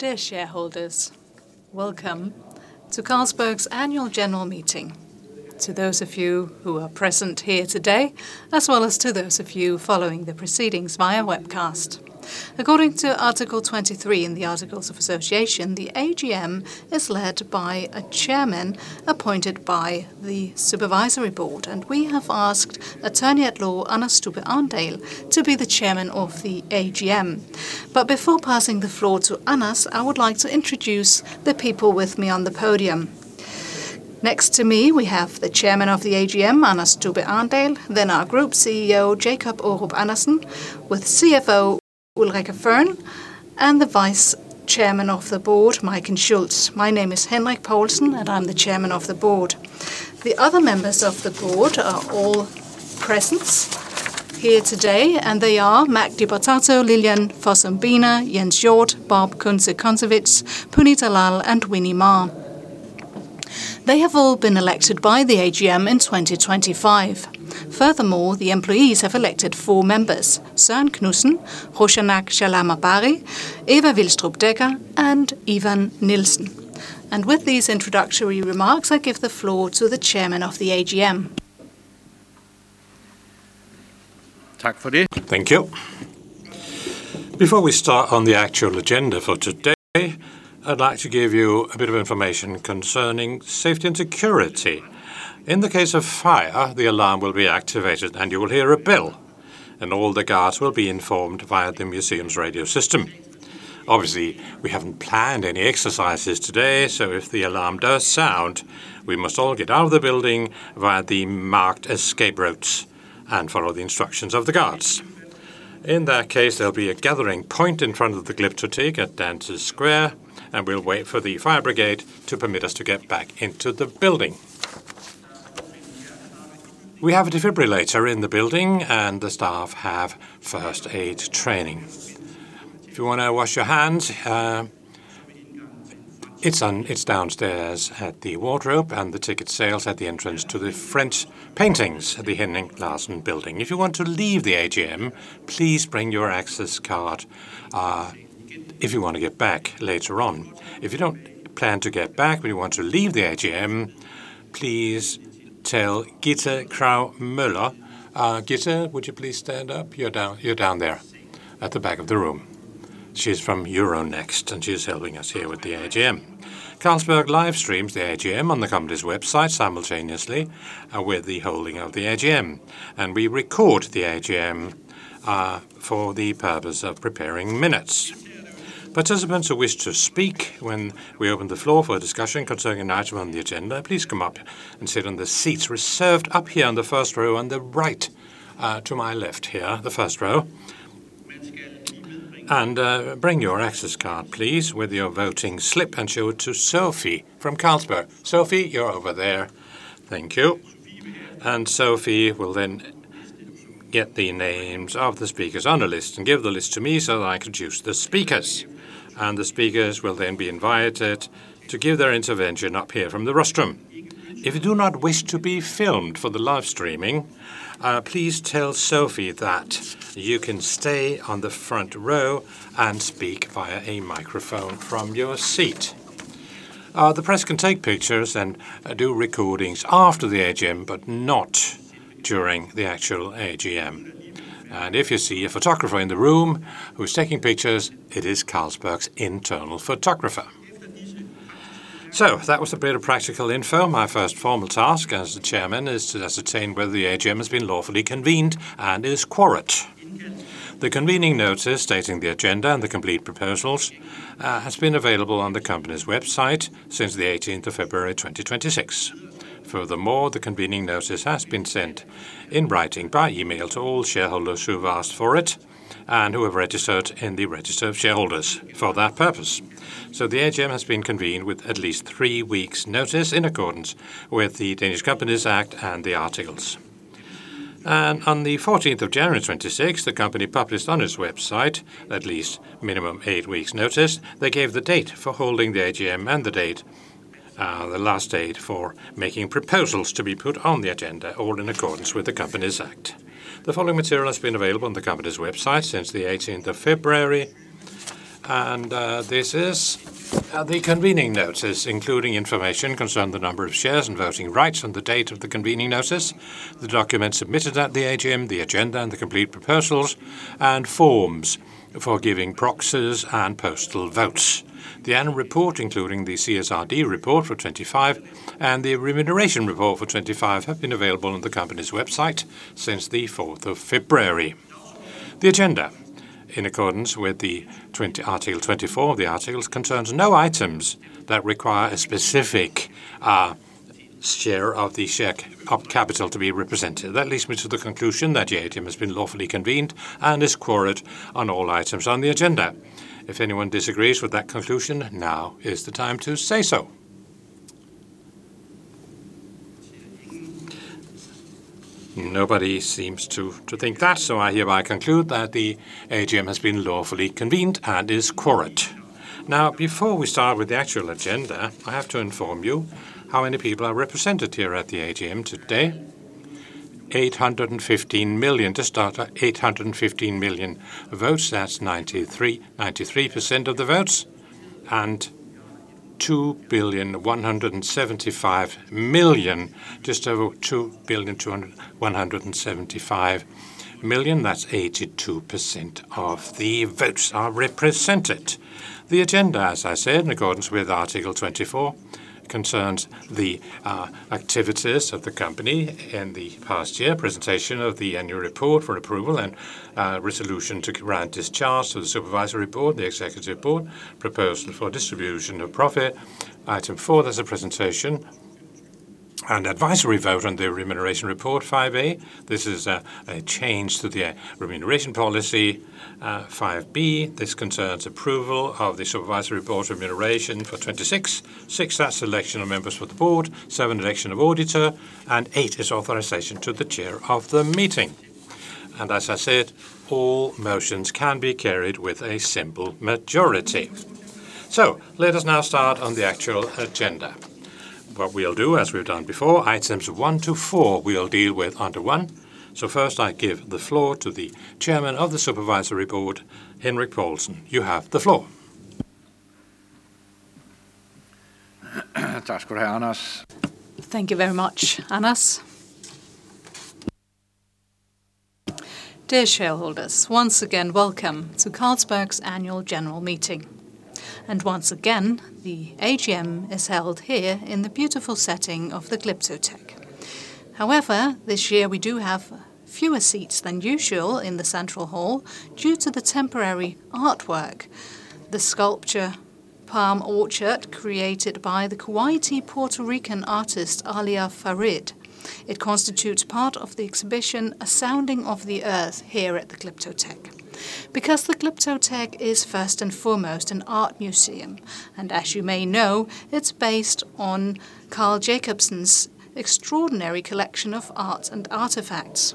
Dear shareholders, welcome to Carlsberg's annual general meeting. To those of you who are present here today, as well as to those of you following the proceedings via webcast. According to Article 23 in the articles of association, the AGM is led by a chairman appointed by the supervisory board, and we have asked Attorney at Law, Anders Stubbe Arndal, to be the chairman of the AGM. Before passing the floor to Anders, I would like to introduce the people with me on the podium. Next to me, we have the chairman of the AGM, Anders Stubbe Arndal, then our Group CEO, Jacob Aarup-Andersen, with CFO Ulrica Fearn, and the Vice Chairman of the Board, Majken Schultz. My name is Henrik Poulsen, and I'm the chairman of the board. The other members of the board are all present here today, and they are Magdi Batato, Lilian Fossum Biner, Jens Hjorth, Bob Kunze-Concewicz, Punita Lal, and Winnie Ma. They have all been elected by the AGM in 2025. Furthermore, the employees have elected four members, Søren Knudsen, Roshanak Shahnawaz Bari, Eva Vilstrup Decker, and Ivan Nielsen. With these introductory remarks, I give the floor to the Chairman of the AGM. Thank you. Before we start on the actual agenda for today, I'd like to give you a bit of information concerning safety and security. In the case of fire, the alarm will be activated, and you will hear a bell, and all the guards will be informed via the museum's radio system. Obviously, we haven't planned any exercises today, so if the alarm does sound, we must all get out of the building via the marked escape routes and follow the instructions of the guards. In that case, there'll be a gathering point in front of the Glyptotek at Dante Square, and we'll wait for the fire brigade to permit us to get back into the building. We have a defibrillator in the building, and the staff have first aid training. If you wanna wash your hands, it's downstairs at the wardrobe and the ticket sales at the entrance to the French paintings at the Henning Larsen Building. If you want to leave the AGM, please bring your access card, if you wanna get back later on. If you don't plan to get back, but you want to leave the AGM, please tell Gitte Pugholm Miller. Gitte, would you please stand up? You're down there at the back of the room. She's from Euronext, and she's helping us here with the AGM. Carlsberg livestreams the AGM on the company's website simultaneously with the holding of the AGM, and we record the AGM for the purpose of preparing minutes. Participants who wish to speak when we open the floor for a discussion concerning an item on the agenda, please come up and sit on the seats reserved up here on the first row on the right, to my left here, the first row. Bring your access card, please, with your voting slip and show it to Sophie from Carlsberg. Sophie, you're over there. Thank you. Sophie will then get the names of the speakers on a list and give the list to me so that I can introduce the speakers, and the speakers will then be invited to give their intervention up here from the rostrum. If you do not wish to be filmed for the live streaming, please tell Sophie that you can stay on the front row and speak via a microphone from your seat. The press can take pictures and do recordings after the AGM, but not during the actual AGM. If you see a photographer in the room who is taking pictures, it is Carlsberg's internal photographer. That was a bit of practical info. My first formal task as the chairman is to ascertain whether the AGM has been lawfully convened and is quorate. The convening notice stating the agenda and the complete proposals has been available on the company's website since the 18th of February 2026. Furthermore, the convening notice has been sent in writing by email to all shareholders who've asked for it and who have registered in the register of shareholders for that purpose. The AGM has been convened with at least three weeks notice in accordance with the Danish Companies Act and the articles. On the 14th of January 2026, the company published on its website at least the minimum 8 weeks' notice that gave the date for holding the AGM and the date, the last date for making proposals to be put on the agenda, all in accordance with the Danish Companies Act. The following material has been available on the company's website since the 18th of February, and this is the convening notice, including information concerning the number of shares and voting rights on the date of the convening notice, the documents submitted at the AGM, the agenda and the complete proposals, and forms for giving proxies and postal votes. The annual report, including the CSRD report for 2025 and the remuneration report for 2025, have been available on the company's website since the 4th of February. The agenda, in accordance with Article 24 of the articles, concerns no items that require a specific share of the share capital to be represented. That leads me to the conclusion that the AGM has been lawfully convened and is quorate on all items on the agenda. If anyone disagrees with that conclusion, now is the time to say so. Nobody seems to think that, so I hereby conclude that the AGM has been lawfully convened and is quorate. Now, before we start with the actual agenda, I have to inform you how many people are represented here at the AGM today. 815 million votes. That's 93% of the votes and 2,175 million, just over 2 billion, that's 82% of the votes are represented. The agenda, as I said, in accordance with Article 24, concerns the activities of the company in the past year, presentation of the annual report for approval and resolution to grant discharge to the supervisory board, the executive board, proposal for distribution of profit. Item 4, there's a presentation and advisory vote on the remuneration report. 5A, this is a change to the remuneration policy. 5B, this concerns approval of the supervisory board's remuneration for 2026. 6, that's election of members for the board. 7, election of auditor, and 8 is authorization to the chair of the meeting. As I said, all motions can be carried with a simple majority. Let us now start on the actual agenda. What we'll do as we've done before, items one to four, we'll deal with under one. First, I give the floor to the Chairman of the Supervisory Board, Henrik Poulsen. You have the floor. Thank you very much, Anders. Dear shareholders, once again, welcome to Carlsberg's Annual General Meeting. Once again, the AGM is held here in the beautiful setting of the Glyptotek. However, this year we do have fewer seats than usual in the central hall due to the temporary artwork, the sculpture Palm Orchard, created by the Kuwaiti Puerto Rican artist, Alia Farid. It constitutes part of the exhibition, A Sounding of the Earth, here at the Glyptotek. Because the Glyptotek is first and foremost an art museum, and as you may know, it's based on Carl Jacobsen's extraordinary collection of art and artifacts.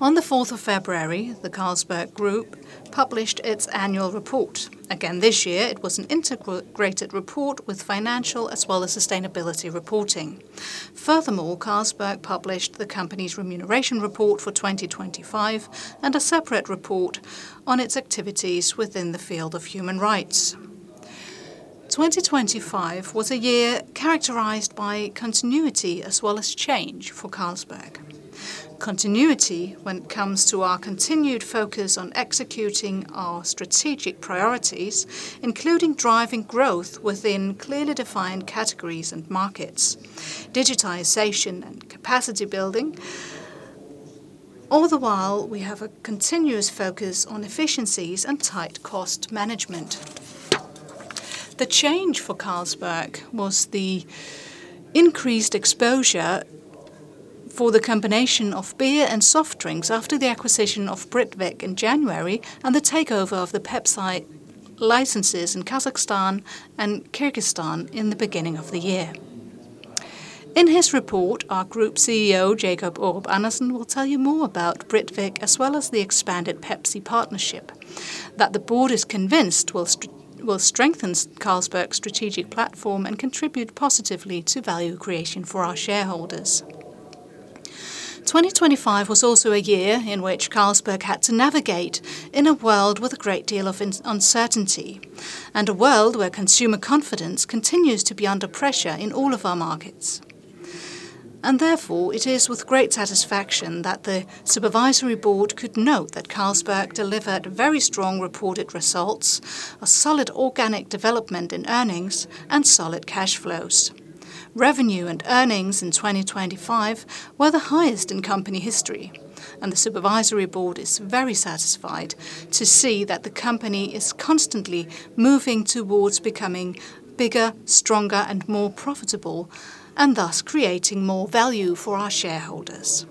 On the fourth of February, the Carlsberg Group published its annual report. Again, this year it was an integrated report with financial as well as sustainability reporting. Furthermore, Carlsberg published the company's remuneration report for 2025, and a separate report on its activities within the field of human rights. 2025 was a year characterized by continuity as well as change for Carlsberg. Continuity when it comes to our continued focus on executing our strategic priorities, including driving growth within clearly defined categories and markets, digitization and capacity building, all the while, we have a continuous focus on efficiencies and tight cost management. The change for Carlsberg was the increased exposure for the combination of beer and soft drinks after the acquisition of Britvic in January and the takeover of the Pepsi licenses in Kazakhstan and Kyrgyzstan in the beginning of the year. In his report, our Group CEO, Jacob Aarup-Andersen, will tell you more about Britvic as well as the expanded Pepsi partnership that the board is convinced will strengthen Carlsberg's strategic platform and contribute positively to value creation for our shareholders. 2025 was also a year in which Carlsberg had to navigate in a world with a great deal of uncertainty, and a world where consumer confidence continues to be under pressure in all of our markets. Therefore, it is with great satisfaction that the Supervisory Board could note that Carlsberg delivered very strong reported results, a solid organic development in earnings, and solid cash flows. Revenue and earnings in 2025 were the highest in company history, and the supervisory board is very satisfied to see that the company is constantly moving towards becoming bigger, stronger, and more profitable, and thus creating more value for our shareholders.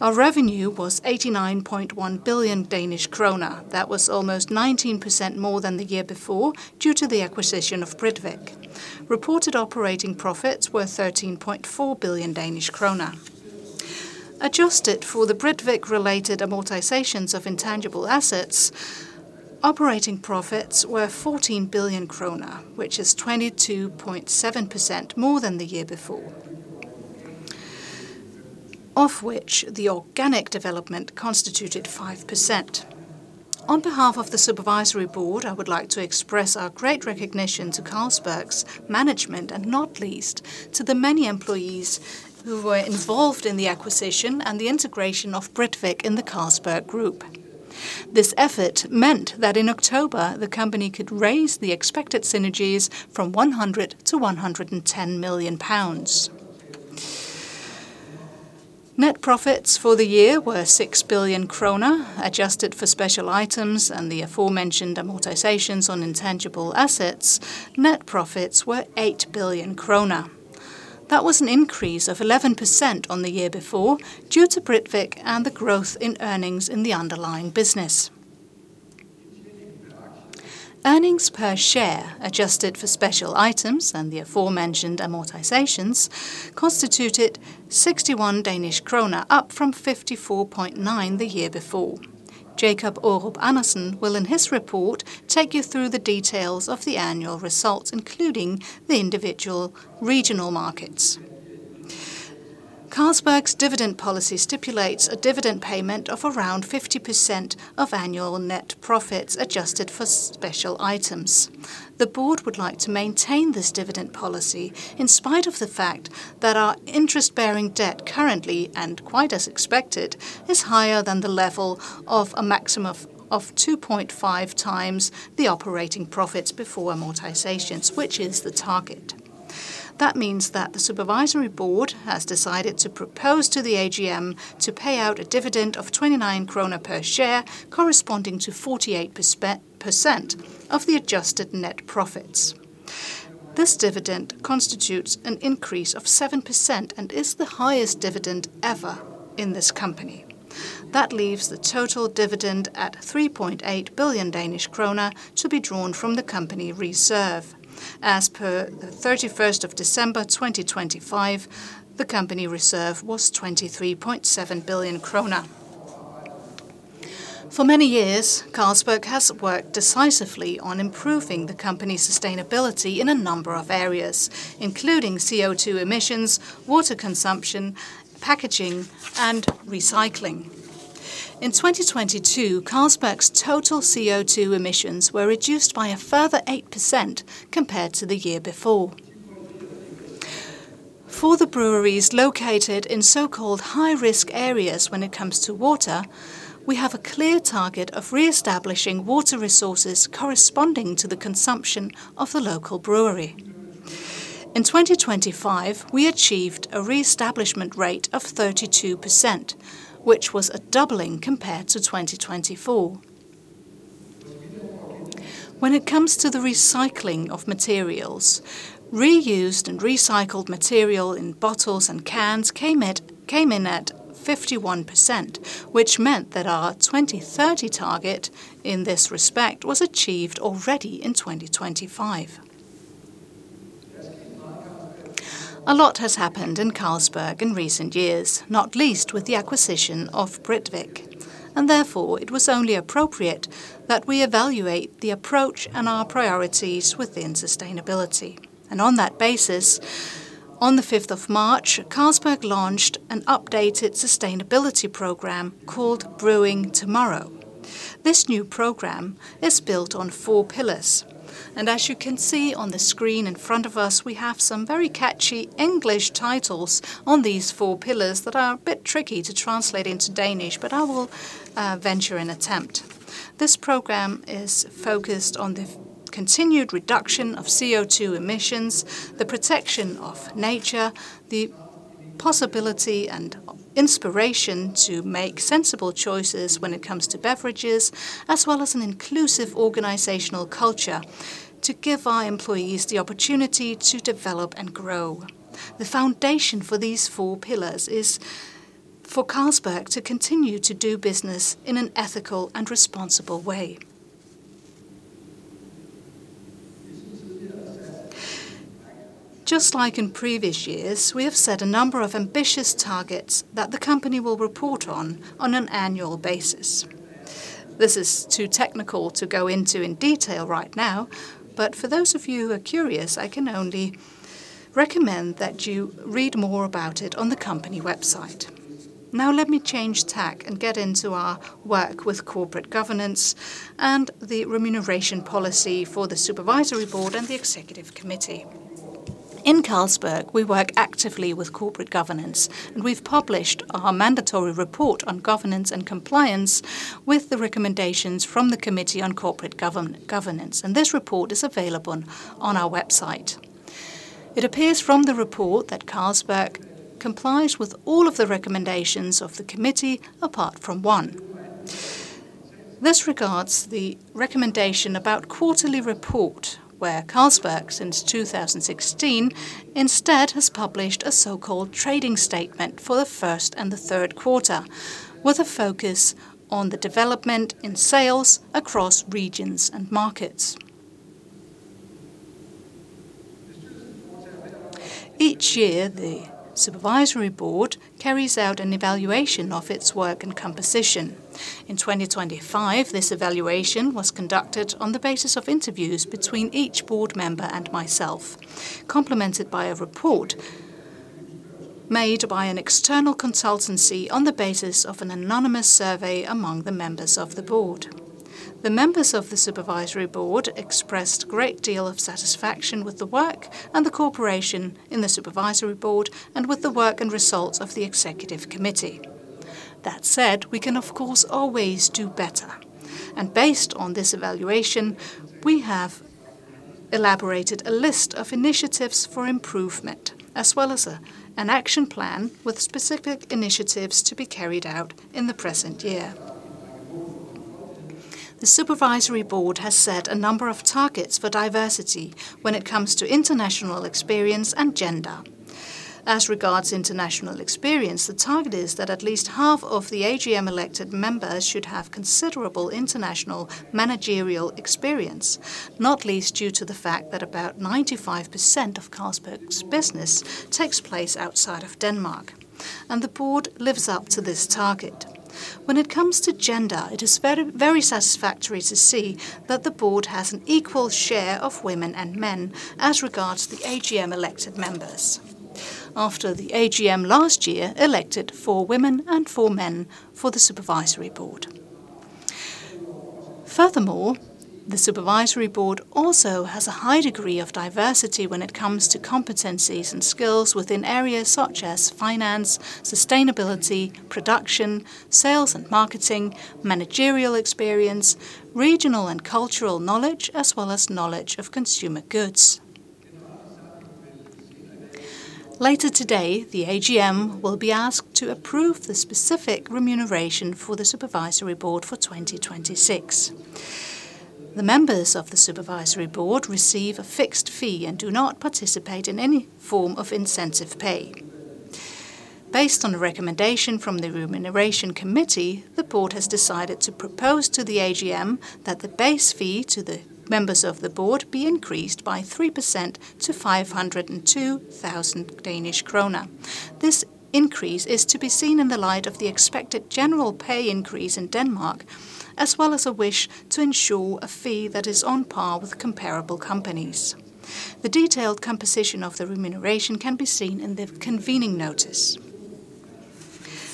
Our revenue was 89.1 billion Danish krone. That was almost 19% more than the year before, due to the acquisition of Britvic. Reported operating profits were 13.4 billion Danish kroner. Adjusted for the Britvic-related amortizations of intangible assets, operating profits were 14 billion kroner, which is 22.7% more than the year before, of which the organic development constituted 5%. On behalf of the supervisory board, I would like to express our great recognition to Carlsberg's management, and not least to the many employees who were involved in the acquisition and the integration of Britvic in the Carlsberg Group. This effort meant that in October, the company could raise the expected synergies from 100 million to 110 million pounds. Net profits for the year were 6 billion kroner. Adjusted for special items and the aforementioned amortizations on intangible assets, net profits were 8 billion krone. That was an increase of 11% on the year before, due to Britvic and the growth in earnings in the underlying business. Earnings per share, adjusted for special items and the aforementioned amortizations, constituted 61 Danish krone, up from 54.9 the year before. Jacob Aarup-Andersen will, in his report, take you through the details of the annual results, including the individual regional markets. Carlsberg's dividend policy stipulates a dividend payment of around 50% of annual net profits, adjusted for special items. The board would like to maintain this dividend policy in spite of the fact that our interest-bearing debt currently, and quite as expected, is higher than the level of a maximum of 2.5 times the operating profits before amortizations, which is the target. That means that the supervisory board has decided to propose to the AGM to pay out a dividend of 29 krone per share, corresponding to 48% of the adjusted net profits. This dividend constitutes an increase of 7% and is the highest dividend ever in this company. That leaves the total dividend at 3.8 billion Danish kroner to be drawn from the company reserve. As per the thirty-first of December 2025, the company reserve was 23.7 billion kroner. For many years, Carlsberg has worked decisively on improving the company's sustainability in a number of areas, including CO2 emissions, water consumption, packaging, and recycling. In 2022, Carlsberg's total CO2 emissions were reduced by a further 8% compared to the year before. For the breweries located in so-called high-risk areas when it comes to water, we have a clear target of reestablishing water resources corresponding to the consumption of the local brewery. In 2025, we achieved a reestablishment rate of 32%, which was a doubling compared to 2024. When it comes to the recycling of materials, reused and recycled material in bottles and cans came in at 51%, which meant that our 2030 target in this respect was achieved already in 2025. A lot has happened in Carlsberg in recent years, not least with the acquisition of Britvic, and therefore it was only appropriate that we evaluate the approach and our priorities within sustainability. On that basis, on the fifth of March, Carlsberg launched an updated sustainability program called Brewing Tomorrow. This new program is built on four pillars. As you can see on the screen in front of us, we have some very catchy English titles on these four pillars that are a bit tricky to translate into Danish, but I will venture an attempt. This program is focused on the continued reduction of CO2 emissions, the protection of nature, the possibility and inspiration to make sensible choices when it comes to beverages, as well as an inclusive organizational culture to give our employees the opportunity to develop and grow. The foundation for these four pillars is for Carlsberg to continue to do business in an ethical and responsible way. Just like in previous years, we have set a number of ambitious targets that the company will report on on an annual basis. This is too technical to go into in detail right now, but for those of you who are curious, I can only recommend that you read more about it on the company website. Now let me change tack and get into our work with corporate governance and the remuneration policy for the supervisory board and the executive committee. In Carlsberg, we work actively with corporate governance, and we've published our mandatory report on governance and compliance with the recommendations from the Committee on Corporate Governance, and this report is available on our website. It appears from the report that Carlsberg complies with all of the recommendations of the committee, apart from one. This regards the recommendation about quarterly report, where Carlsberg, since 2016, instead has published a so-called trading statement for the first and the third quarter, with a focus on the development in sales across regions and markets. Each year, the Supervisory Board carries out an evaluation of its work and composition. In 2025, this evaluation was conducted on the basis of interviews between each board member and myself, complemented by a report made by an external consultancy on the basis of an anonymous survey among the members of the board. The members of the Supervisory Board expressed great deal of satisfaction with the work and the cooperation in the Supervisory Board and with the work and results of the executive committee. That said, we can, of course, always do better. Based on this evaluation, we have elaborated a list of initiatives for improvement, as well as an action plan with specific initiatives to be carried out in the present year. The supervisory board has set a number of targets for diversity when it comes to international experience and gender. As regards international experience, the target is that at least half of the AGM-elected members should have considerable international managerial experience, not least due to the fact that about 95% of Carlsberg's business takes place outside of Denmark, and the board lives up to this target. When it comes to gender, it is very, very satisfactory to see that the board has an equal share of women and men as regards the AGM-elected members. After the AGM last year elected four women and four men for the supervisory board. Furthermore, the supervisory board also has a high degree of diversity when it comes to competencies and skills within areas such as finance, sustainability, production, sales and marketing, managerial experience, regional and cultural knowledge, as well as knowledge of consumer goods. Later today, the AGM will be asked to approve the specific remuneration for the supervisory board for 2026. The members of the supervisory board receive a fixed fee and do not participate in any form of incentive pay. Based on a recommendation from the Remuneration Committee, the board has decided to propose to the AGM that the base fee to the members of the board be increased by 3% to 502,000 Danish krone. This increase is to be seen in the light of the expected general pay increase in Denmark, as well as a wish to ensure a fee that is on par with comparable companies. The detailed composition of the remuneration can be seen in the convening notice.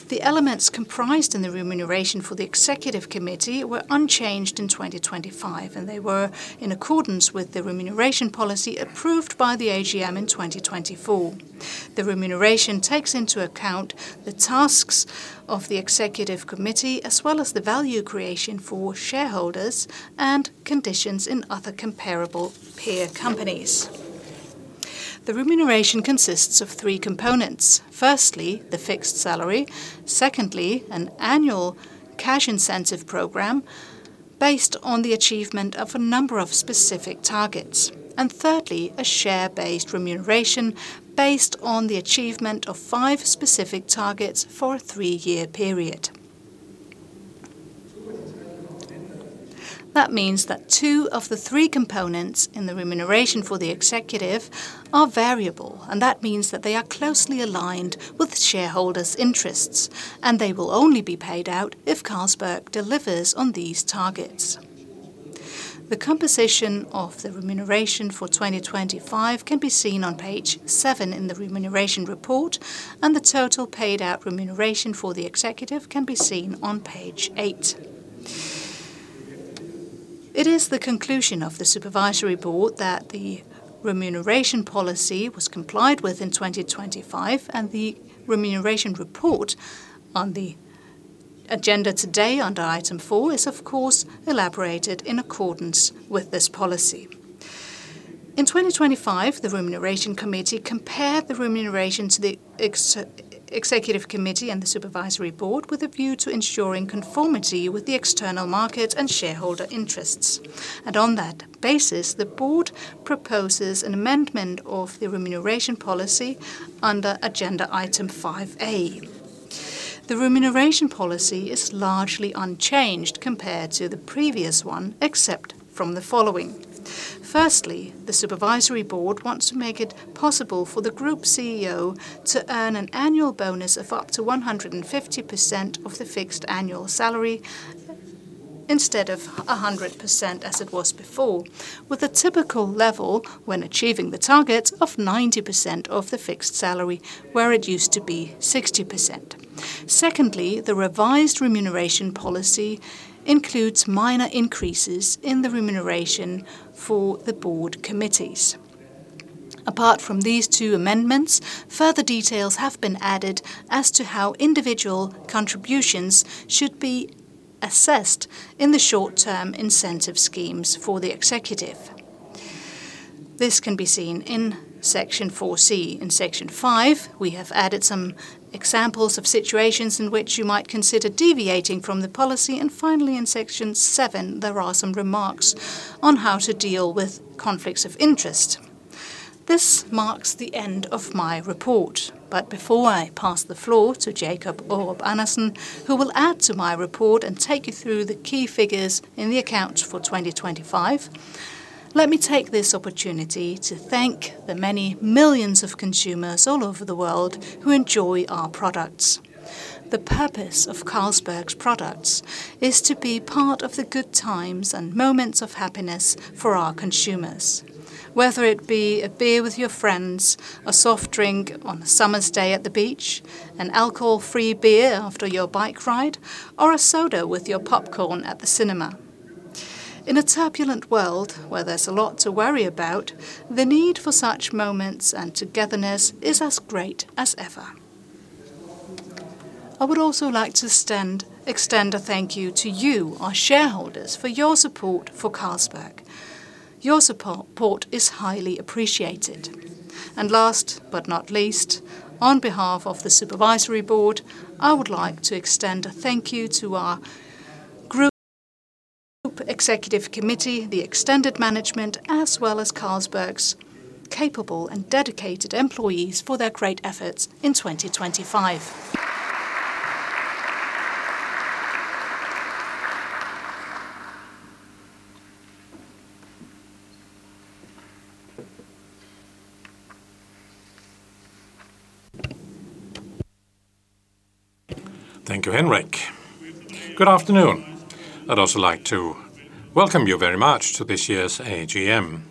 The elements comprised in the remuneration for the executive committee were unchanged in 2025, and they were in accordance with the remuneration policy approved by the AGM in 2024. The remuneration takes into account the tasks of the executive committee, as well as the value creation for shareholders and conditions in other comparable peer companies. The remuneration consists of three components, firstly, the fixed salary, secondly, an annual cash incentive program based on the achievement of a number of specific targets, and thirdly, a share-based remuneration based on the achievement of five specific targets for a three-year period. That means that two of the three components in the remuneration for the executive are variable, and that means that they are closely aligned with shareholders' interests, and they will only be paid out if Carlsberg delivers on these targets. The composition of the remuneration for 2025 can be seen on page 7 in the remuneration report, and the total paid out remuneration for the executive can be seen on page 8. It is the conclusion of the Supervisory Board that the remuneration policy was complied with in 2025, and the remuneration report on the agenda today under item 4 is, of course, elaborated in accordance with this policy. In 2025, the Remuneration Committee compared the remuneration to the executive committee and the Supervisory Board with a view to ensuring conformity with the external market and shareholder interests. On that basis, the board proposes an amendment of the remuneration policy under agenda item 5A. The remuneration policy is largely unchanged compared to the previous one, except from the following. Firstly, the Supervisory Board wants to make it possible for the Group CEO to earn an annual bonus of up to 150% of the fixed annual salary instead of 100% as it was before, with a typical level when achieving the target of 90% of the fixed salary where it used to be 60%. Secondly, the revised remuneration policy includes minor increases in the remuneration for the Board committees. Apart from these two amendments, further details have been added as to how individual contributions should be assessed in the short-term incentive schemes for the executive. This can be seen in Section 4C. In section five, we have added some examples of situations in which you might consider deviating from the policy. Finally, in section seven, there are some remarks on how to deal with conflicts of interest. This marks the end of my report. Before I pass the floor to Jacob Aarup-Andersen, who will add to my report and take you through the key figures in the accounts for 2025, let me take this opportunity to thank the many millions of consumers all over the world who enjoy our products. The purpose of Carlsberg's products is to be part of the good times and moments of happiness for our consumers, whether it be a beer with your friends, a soft drink on a summer's day at the beach, an alcohol-free beer after your bike ride, or a soda with your popcorn at the cinema. In a turbulent world where there's a lot to worry about, the need for such moments and togetherness is as great as ever. I would also like to extend a thank you to you, our shareholders, for your support for Carlsberg. Your support is highly appreciated. Last but not least, on behalf of the supervisory board, I would like to extend a thank you to our group executive committee, the extended management, as well as Carlsberg's capable and dedicated employees for their great efforts in 2025. Thank you, Henrik. Good afternoon. I'd also like to welcome you very much to this year's AGM.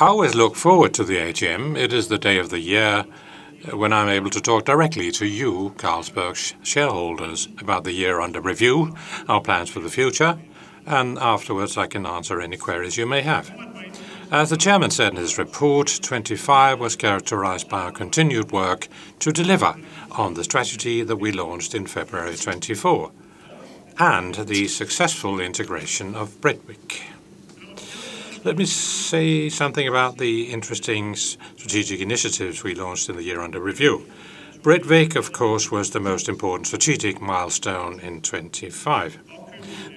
I always look forward to the AGM. It is the day of the year when I'm able to talk directly to you, Carlsberg's shareholders, about the year under review, our plans for the future, and afterwards, I can answer any queries you may have. As the chairman said in his report, 25 was characterized by our continued work to deliver on the strategy that we launched in February 2024, and the successful integration of Britvic. Let me say something about the interesting strategic initiatives we launched in the year under review. Britvic, of course, was the most important strategic milestone in 2025.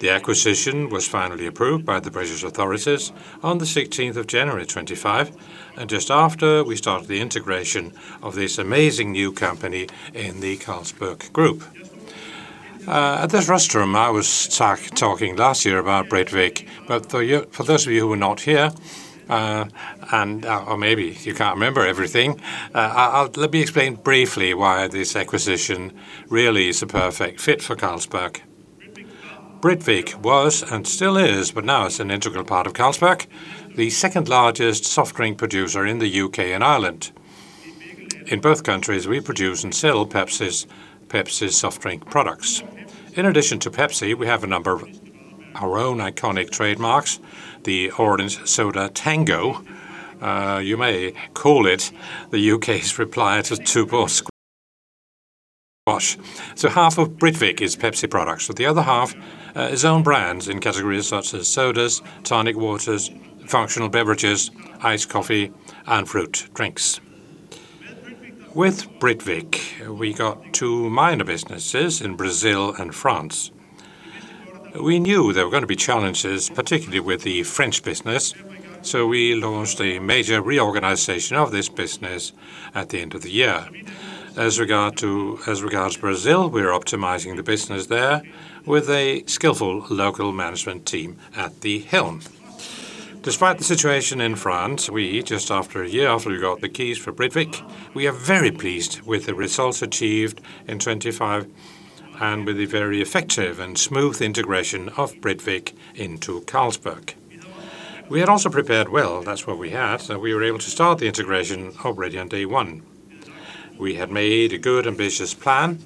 The acquisition was finally approved by the British authorities on the sixteenth of January 2025, and just after, we started the integration of this amazing new company in the Carlsberg Group. In this room, I was talking last year about Britvic, but for those of you who were not here, or maybe you can't remember everything, let me explain briefly why this acquisition really is a perfect fit for Carlsberg. Britvic was and still is, but now it's an integral part of Carlsberg, the second-largest soft drink producer in the U.K. and Ireland. In both countries, we produce and sell Pepsi's soft drink products. In addition to Pepsi, we have a number of our own iconic trademarks, the orange soda, Tango. You may call it the U.K.'s reply to Tuborg Squash. Half of Britvic is Pepsi products, but the other half is own brands in categories such as sodas, tonic waters, functional beverages, iced coffee, and fruit drinks. With Britvic, we got two minor businesses in Brazil and France. We knew there were gonna be challenges, particularly with the French business, so we launched a major reorganization of this business at the end of the year. As regards Brazil, we're optimizing the business there with a skillful local management team at the helm. Despite the situation in France, just after a year we got the keys for Britvic, we are very pleased with the results achieved in 2025 and with the very effective and smooth integration of Britvic into Carlsberg. We had also prepared well. That's what we had, so we were able to start the integration already on day one. We had made a good, ambitious plan,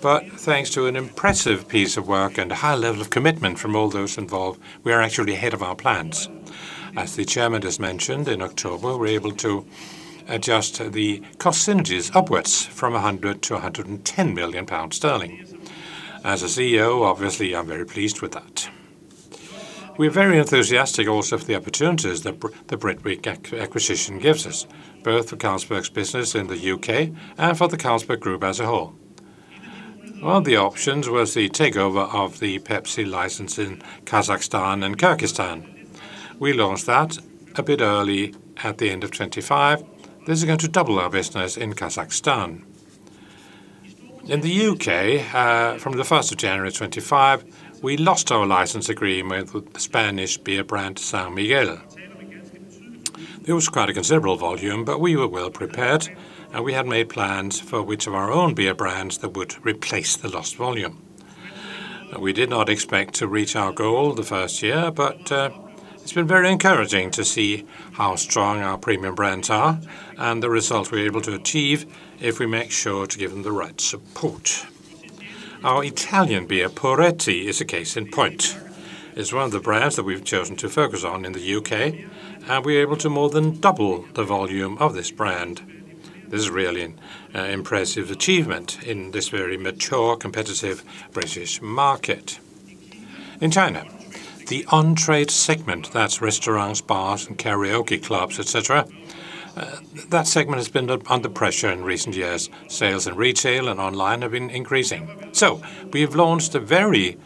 but thanks to an impressive piece of work and a high level of commitment from all those involved, we are actually ahead of our plans. As the chairman just mentioned, in October, we're able to adjust the cost synergies upwards from 100 million to 110 million pounds. As a CEO, obviously, I'm very pleased with that. We're very enthusiastic also for the opportunities the Britvic acquisition gives us, both for Carlsberg's business in the UK and for the Carlsberg Group as a whole. One of the options was the takeover of the Pepsi license in Kazakhstan and Kyrgyzstan. We launched that a bit early at the end of 2025. This is going to double our business in Kazakhstan. In the UK, from the first of January 2025, we lost our license agreement with the Spanish beer brand, San Miguel. It was quite a considerable volume, but we were well prepared, and we had made plans for which of our own beer brands that would replace the lost volume. We did not expect to reach our goal the first year, but it's been very encouraging to see how strong our premium brands are and the results we're able to achieve if we make sure to give them the right support. Our Italian beer, Birra Moretti, is a case in point. It's one of the brands that we've chosen to focus on in the UK, and we're able to more than double the volume of this brand. This is really an impressive achievement in this very mature, competitive British market. In China, the on-trade segment, that's restaurants, bars, and karaoke clubs, et cetera, that segment has been under pressure in recent years. Sales in retail and online have been increasing. We've launched a very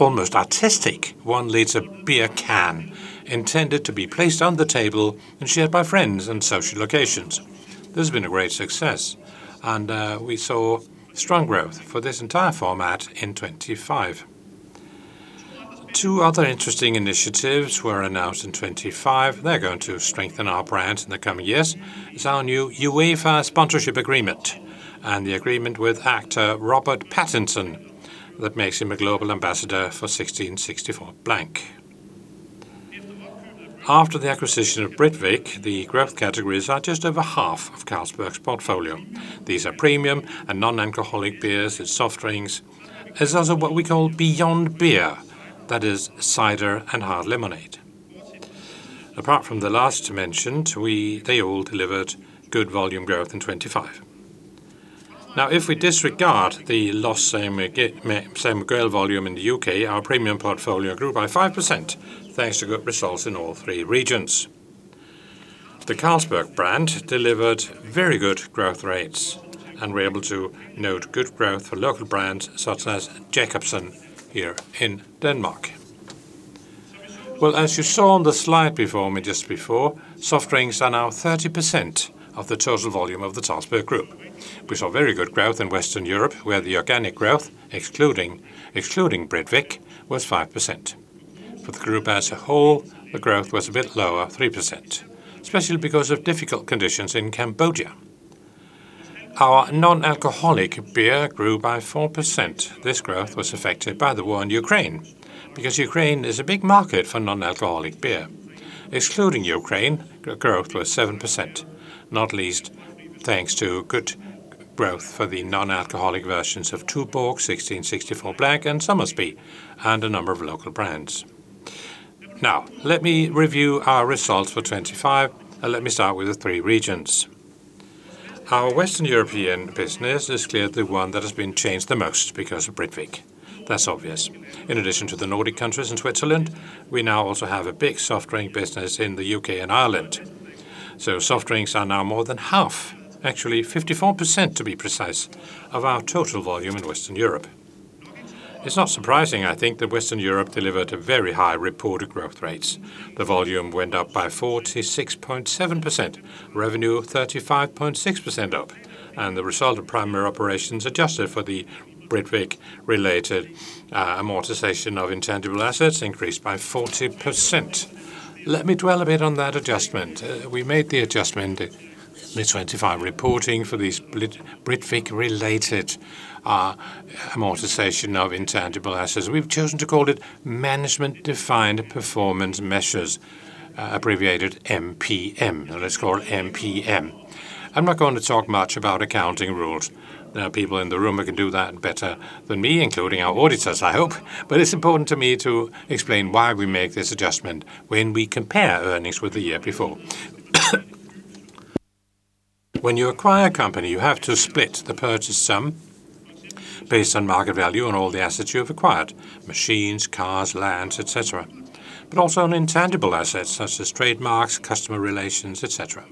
almost artistic one-liter beer can intended to be placed on the table and shared by friends in social locations. This has been a great success, and we saw strong growth for this entire format in 2025. Two other interesting initiatives were announced in 2025. They're going to strengthen our brands in the coming years. It's our new UEFA sponsorship agreement and the agreement with actor Robert Pattinson that makes him a global ambassador for 1664 Blanc. After the acquisition of Britvic, the growth categories are just over half of Carlsberg's portfolio. These are premium and non-alcoholic beers and soft drinks. There's also what we call beyond beer, that is cider and hard lemonade. Apart from the last mentioned, they all delivered good volume growth in 2025. Now, if we disregard the lost San Miguel volume in the UK, our premium portfolio grew by 5%, thanks to good results in all three regions. The Carlsberg brand delivered very good growth rates, and we're able to note good growth for local brands such as Jacobsen here in Denmark. Well, as you saw on the slide before me just before, soft drinks are now 30% of the total volume of the Carlsberg Group. We saw very good growth in Western Europe, where the organic growth, excluding Britvic, was 5%. For the group as a whole, the growth was a bit lower, 3%, especially because of difficult conditions in Cambodia. Our non-alcoholic beer grew by 4%. This growth was affected by the war in Ukraine, because Ukraine is a big market for non-alcoholic beer. Excluding Ukraine, the growth was 7%, not least thanks to good growth for the non-alcoholic versions of Tuborg, 1664 Blanc, and Somersby, and a number of local brands. Now, let me review our results for 25, and let me start with the three regions. Our Western European business is clearly one that has been changed the most because of Britvic. That's obvious. In addition to the Nordic countries and Switzerland, we now also have a big soft drink business in the UK and Ireland. Soft drinks are now more than half, actually 54% to be precise, of our total volume in Western Europe. It's not surprising, I think, that Western Europe delivered a very high reported growth rates. The volume went up by 46.7%. Revenue, 35.6% up. The result of primary operations adjusted for the Britvic-related amortization of intangible assets increased by 40%. Let me dwell a bit on that adjustment. We made the adjustment in the 25 reporting for these Britvic-related amortization of intangible assets. We've chosen to call it Management Defined Performance Measures, abbreviated MPM. Let's call it MPM. I'm not going to talk much about accounting rules. There are people in the room who can do that better than me, including our auditors, I hope. It's important to me to explain why we make this adjustment when we compare earnings with the year before. When you acquire a company, you have to split the purchase sum based on market value and all the assets you have acquired, machines, cars, lands, et cetera. Also on intangible assets such as trademarks, customer relations, et cetera.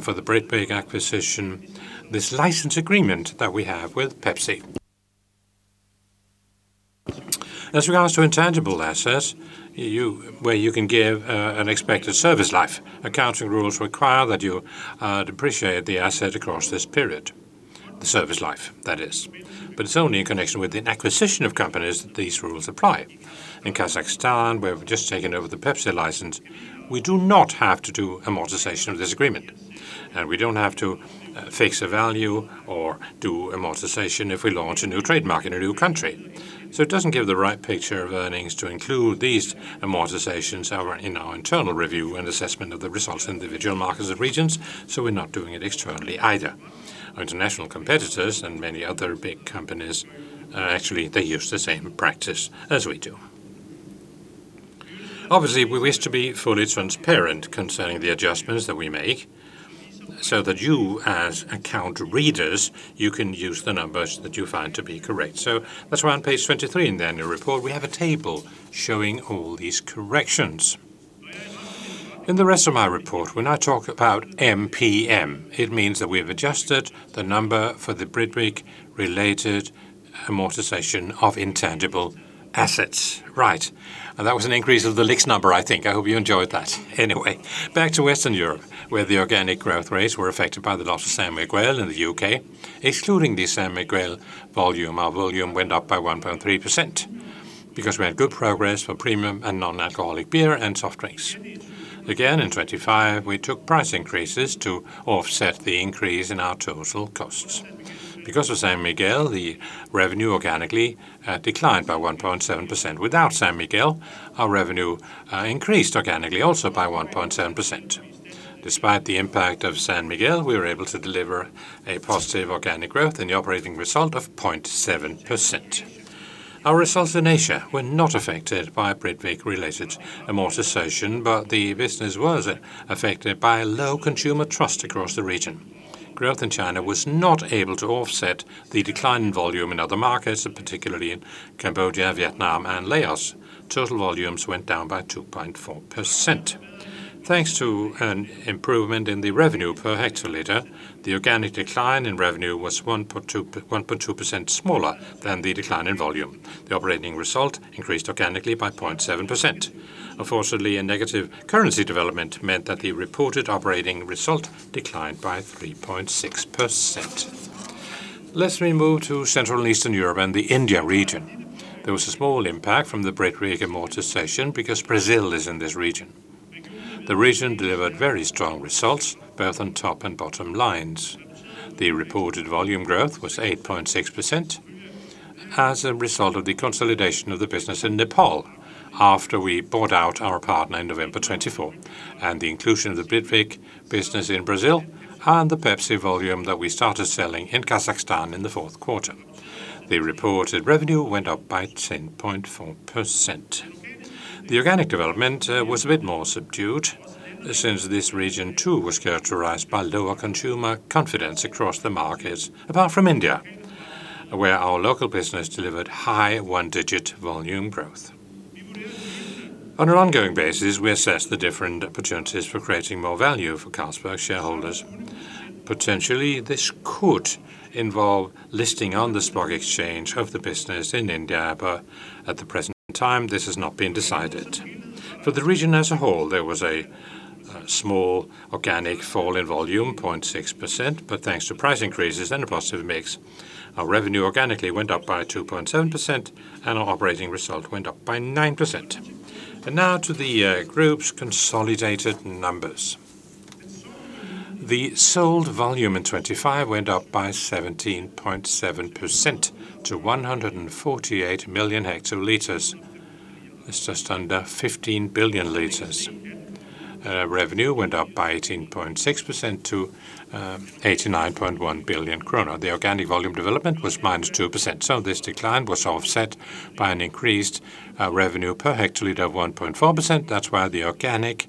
For the Britvic acquisition, this license agreement that we have with Pepsi. As regards to intangible assets, where you can give an expected service life, accounting rules require that you depreciate the asset across this period. The service life, that is. It's only in connection with the acquisition of companies that these rules apply. In Kazakhstan, where we've just taken over the Pepsi license, we do not have to do amortization of this agreement. We don't have to fix a value or do amortization if we launch a new trademark in a new country. It doesn't give the right picture of earnings to include these amortizations in our internal review and assessment of the results in individual markets and regions, so we're not doing it externally either. Our international competitors and many other big companies, actually, they use the same practice as we do. Obviously, we wish to be fully transparent concerning the adjustments that we make so that you, as account readers, you can use the numbers that you find to be correct. That's why on page 23 in the annual report, we have a table showing all these corrections. In the rest of my report, when I talk about MPM, it means that we have adjusted the number for the Britvic-related amortization of intangible assets. Right. That was an increase of the Lix number, I think. I hope you enjoyed that. Anyway, back to Western Europe, where the organic growth rates were affected by the loss of San Miguel in the UK. Excluding the San Miguel volume, our volume went up by 1.3% because we had good progress for premium and non-alcoholic beer and soft drinks. Again, in 2025, we took price increases to offset the increase in our total costs. Because of San Miguel, the revenue organically declined by 1.7%. Without San Miguel, our revenue increased organically also by 1.7%. Despite the impact of San Miguel, we were able to deliver a positive organic growth in the operating result of 0.7%. Our results in Asia were not affected by Britvic-related amortization, but the business was affected by low consumer trust across the region. Growth in China was not able to offset the decline in volume in other markets, particularly in Cambodia, Vietnam, and Laos. Total volumes went down by 2.4%. Thanks to an improvement in the revenue per hectoliter, the organic decline in revenue was 1.2% smaller than the decline in volume. The operating result increased organically by 0.7%. Unfortunately, a negative currency development meant that the reported operating result declined by 3.6%. Let me move to Central and Eastern Europe and the India region. There was a small impact from the Britvic amortization because Brazil is in this region. The region delivered very strong results, both on top and bottom lines. The reported volume growth was 8.6% as a result of the consolidation of the business in Nepal after we bought out our partner in November 2024, and the inclusion of the Britvic business in Brazil and the Pepsi volume that we started selling in Kazakhstan in the fourth quarter. The reported revenue went up by 10.4%. The organic development was a bit more subdued since this region, too, was characterized by lower consumer confidence across the markets, apart from India, where our local business delivered high one-digit volume growth. On an ongoing basis, we assess the different opportunities for creating more value for Carlsberg shareholders. Potentially, this could involve listing on the stock exchange of the business in India, but at the present time, this has not been decided. For the region as a whole, there was a small organic fall in volume, 0.6%. Thanks to price increases and a positive mix, our revenue organically went up by 2.7%, and our operating result went up by 9%. Now to the group's consolidated numbers. The sold volume in 2025 went up by 17.7% to 148 million hectoliters. That's just under 15 billion liters. Revenue went up by 18.6% to 89.1 billion kroner. The organic volume development was -2%, so this decline was offset by an increased revenue per hectoliter of 1.4%. That's why the organic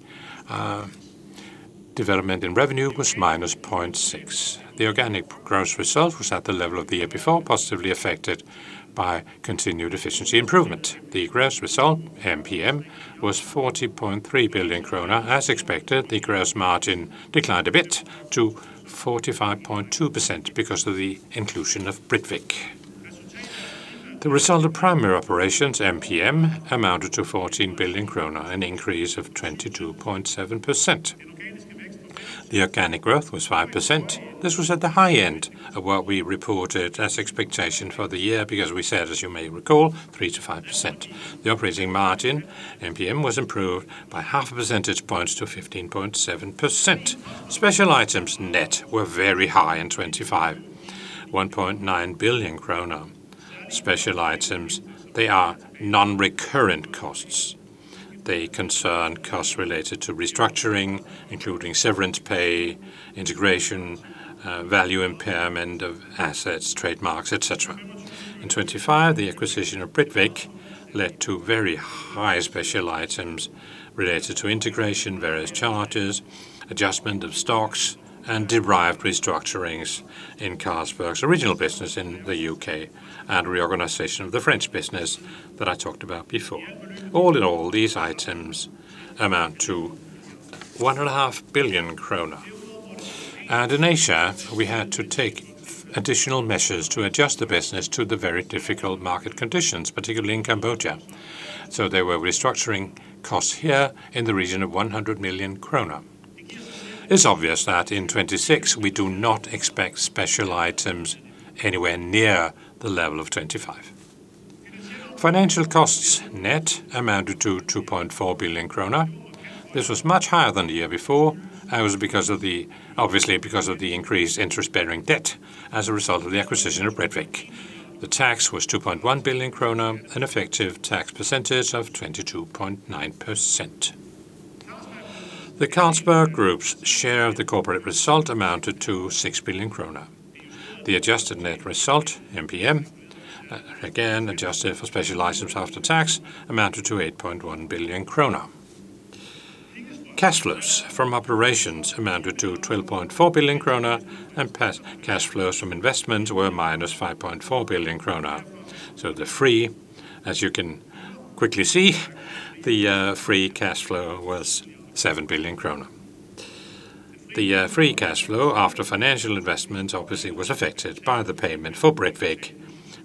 development in revenue was -0.6%. The organic gross result was at the level of the year before, positively affected by continued efficiency improvement. The gross result, MPM, was 40.3 billion kroner. As expected, the gross margin declined a bit to 45.2% because of the inclusion of Britvic. The result of primary operations, MPM, amounted to 14 billion kroner, an increase of 22.7%. The organic growth was 5%. This was at the high end of what we reported as expectation for the year because we said, as you may recall, 3%-5%. The operating margin, MPM, was improved by half a percentage point to 15.7%. Special items net were very high in 2025, 1.9 billion kroner. Special items, they are non-recurrent costs. They concern costs related to restructuring, including severance pay, integration, value impairment of assets, trademarks, et cetera. In 2025, the acquisition of Britvic led to very high special items related to integration, various charges, adjustment of stocks, and derived restructurings in Carlsberg's original business in the UK, and reorganization of the French business that I talked about before. All in all, these items amount to 1.5 billion krone. In Asia, we had to take additional measures to adjust the business to the very difficult market conditions, particularly in Cambodia. There were restructuring costs here in the region of 100 million kroner. It's obvious that in 2026, we do not expect special items anywhere near the level of 2025. Financial costs net amounted to 2.4 billion kroner. This was much higher than the year before. That was because of obviously because of the increased interest-bearing debt as a result of the acquisition of Britvic. The tax was 2.1 billion kroner, an effective tax percentage of 22.9%. The Carlsberg Group's share of the corporate result amounted to 6 billion krone. The adjusted net result, MPM, again, adjusted for special items after tax, amounted to 8.1 billion krone. Cash flows from operations amounted to 12.4 billion krone, and cash flows from investments were -5.4 billion krone. The free cash flow was 7 billion krone. The free cash flow after financial investments obviously was affected by the payment for Britvic.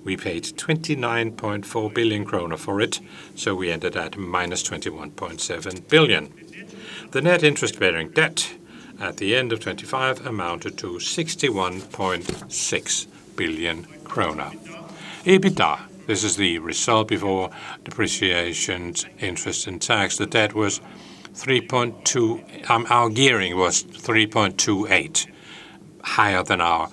We paid 29.4 billion kroner for it, so we ended at -21.7 billion. The net interest bearing debt at the end of 2025 amounted to 61.6 billion kroner. EBITDA, this is the result before depreciations, interest, and tax. Our gearing was 3.28, higher than our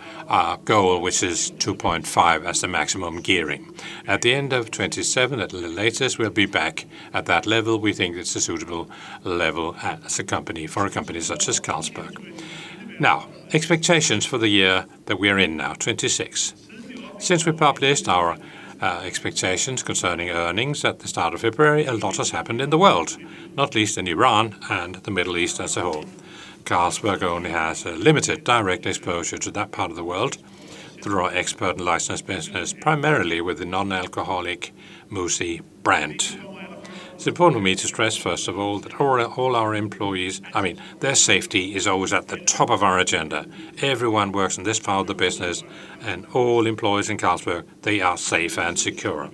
goal, which is 2.5 as the maximum gearing. At the end of 2027, at the latest, we'll be back at that level. We think it's a suitable level as a company, for a company such as Carlsberg. Now, expectations for the year that we are in now, 2026. Since we published our expectations concerning earnings at the start of February, a lot has happened in the world, not least in Iran and the Middle East as a whole. Carlsberg only has a limited direct exposure to that part of the world through our export and license business, primarily with the non-alcoholic Moussy brand. It's important for me to stress, first of all, that all our employees, I mean, their safety is always at the top of our agenda. Everyone works in this part of the business, and all employees in Carlsberg, they are safe and secure.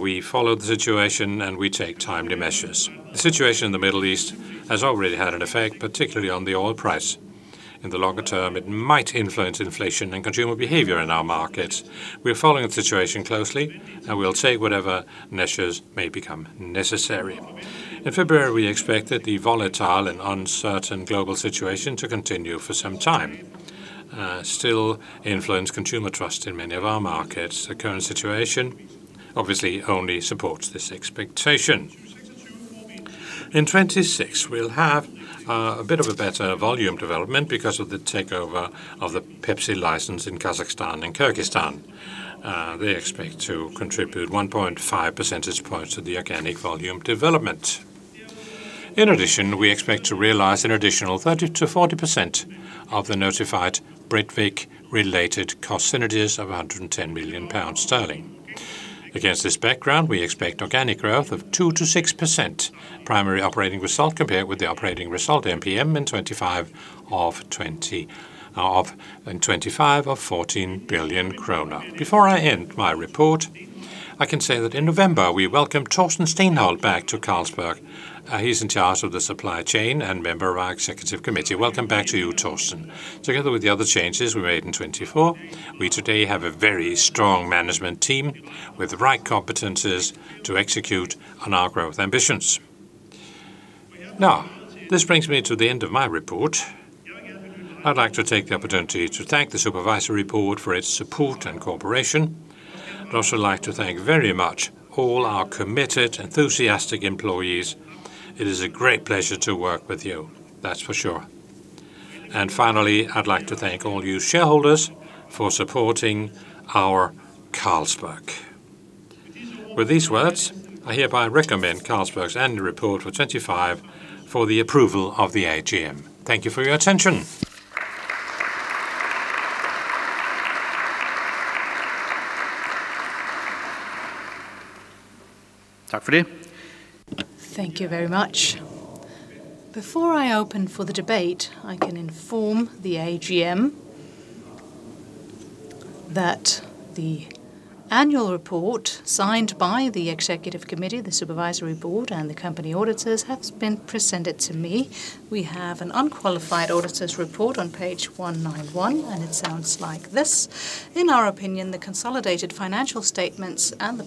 We follow the situation, and we take timely measures. The situation in the Middle East has already had an effect, particularly on the oil price. In the longer term, it might influence inflation and consumer behavior in our markets. We're following the situation closely, and we'll take whatever measures may become necessary. In February, we expected the volatile and uncertain global situation to continue for some time, still influencing consumer trust in many of our markets. The current situation obviously only supports this expectation. In 2026, we'll have a bit of a better volume development because of the takeover of the Pepsi license in Kazakhstan and Kyrgyzstan. They expect to contribute 1.5 percentage points to the organic volume development. In addition, we expect to realize an additional 30%-40% of the notified Britvic-related cost synergies of 110 million pounds. Against this background, we expect organic growth of 2%-6%. Primary operating result compared with the operating result MPM in 2025 of 14 billion kroner. Before I end my report, I can say that in November, we welcomed Torsten Steinhaupt back to Carlsberg. He's in charge of the supply chain and member of our executive committee. Welcome back to you, Torsten. Together with the other changes we made in 2024, we today have a very strong management team with the right competencies to execute on our growth ambitions. Now, this brings me to the end of my report. I'd like to take the opportunity to thank the Supervisory Board for its support and cooperation. I'd also like to thank very much all our committed, enthusiastic employees. It is a great pleasure to work with you, that's for sure. Finally, I'd like to thank all you shareholders for supporting our Carlsberg. With these words, I hereby recommend Carlsberg's annual report for 2025 for the approval of the AGM. Thank you for your attention. Thank you very much. Before I open for the debate, I can inform the AGM that the annual report signed by the executive committee, the supervisory board, and the company auditors has been presented to me. We have an unqualified auditor's report on page 191, and it sounds like this: "In our opinion, the consolidated financial statements and the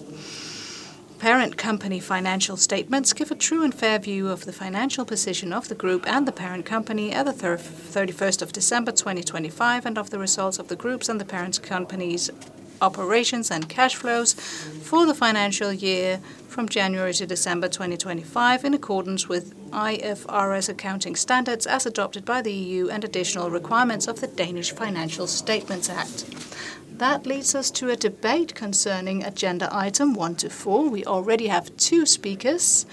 parent company financial statements give a true and fair view of the financial position of the group and the parent company at the thirty-first of December 2025, and of the results of the groups and the parent company's operations and cash flows for the financial year from January to December 2025 in accordance with IFRS accounting standards as adopted by the EU and additional requirements of the Danish Financial Statements Act." That leads us to a debate concerning agenda item 1 to 4. We already have two speakers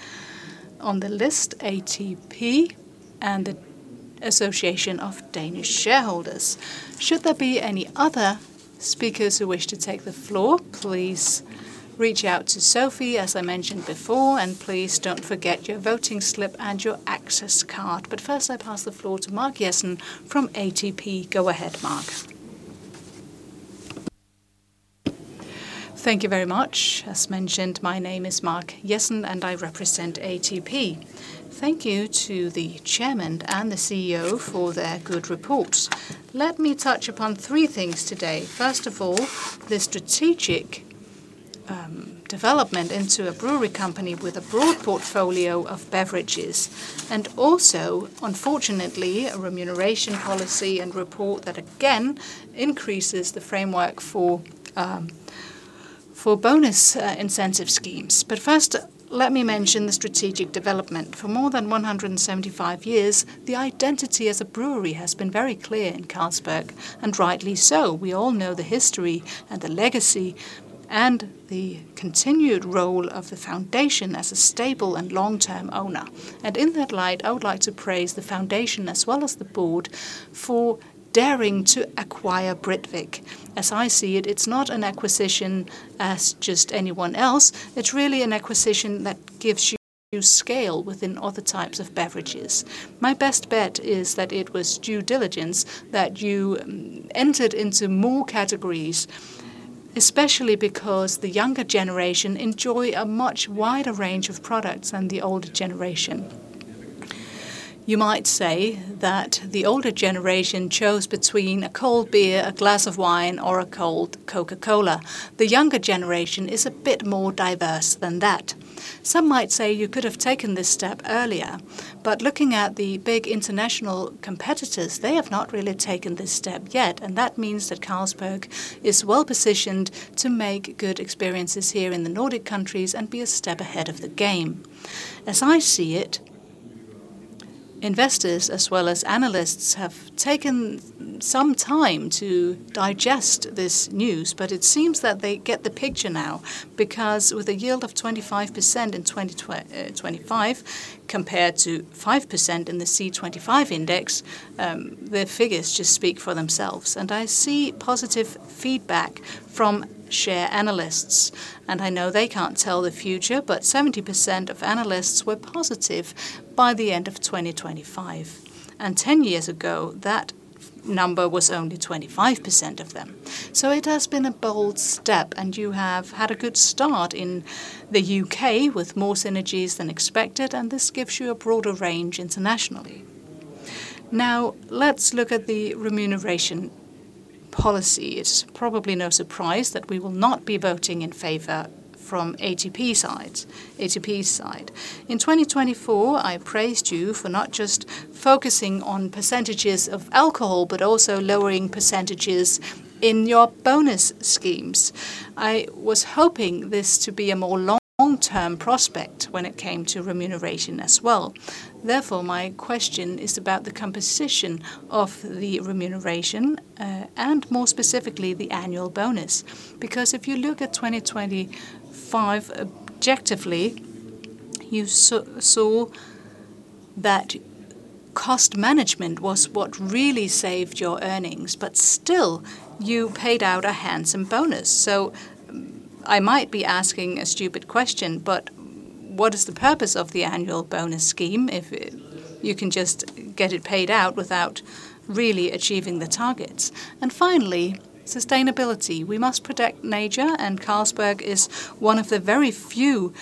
on the list, ATP and the Danish Shareholders Association. Should there be any other speakers who wish to take the floor, please reach out to Sophie, as I mentioned before, and please don't forget your voting slip and your access card. First, I pass the floor to Mark Jessen from ATP. Go ahead, Mark. Thank you very much. As mentioned, my name is Mark Jessen, and I represent ATP. Thank you to the Chairman and the CEO for their good reports. Let me touch upon three things today. First of all, the strategic development into a brewery company with a broad portfolio of beverages, and also, unfortunately, a remuneration policy and report that again increases the framework for bonus incentive schemes. First, let me mention the strategic development. For more than 175 years, the identity as a brewery has been very clear in Carlsberg, and rightly so. We all know the history and the legacy and the continued role of the foundation as a stable and long-term owner. In that light, I would like to praise the foundation as well as the board for daring to acquire Britvic. As I see it's not an acquisition as just anyone else. It's really an acquisition that gives you scale within other types of beverages. My best bet is that it was due diligence that you entered into more categories, especially because the younger generation enjoy a much wider range of products than the older generation. You might say that the older generation chose between a cold beer, a glass of wine, or a cold Coca-Cola. The younger generation is a bit more diverse than that. Some might say you could have taken this step earlier, but looking at the big international competitors, they have not really taken this step yet, and that means that Carlsberg is well-positioned to make good experiences here in the Nordic countries and be a step ahead of the game. As I see it, investors as well as analysts have taken some time to digest this news, but it seems that they get the picture now. Because with a yield of 25% in 2025 compared to 5% in the OMXC25 index, the figures just speak for themselves. I see positive feedback from share analysts, and I know they can't tell the future, but 70% of analysts were positive by the end of 2025. Ten years ago, that number was only 25% of them. It has been a bold step, and you have had a good start in the UK with more synergies than expected, and this gives you a broader range internationally. Now, let's look at the remuneration policy. It's probably no surprise that we will not be voting in favor from ATP's side. In 2024, I praised you for not just focusing on percentages of alcohol, but also lowering percentages in your bonus schemes. I was hoping this to be a more long-term prospect when it came to remuneration as well. Therefore, my question is about the composition of the remuneration, and more specifically, the annual bonus. Because if you look at 2025 objectively, you saw that cost management was what really saved your earnings, but still you paid out a handsome bonus. I might be asking a stupid question, but what is the purpose of the annual bonus scheme if you can just get it paid out without really achieving the targets? Finally, sustainability. We must protect nature, and Carlsberg is one of the very few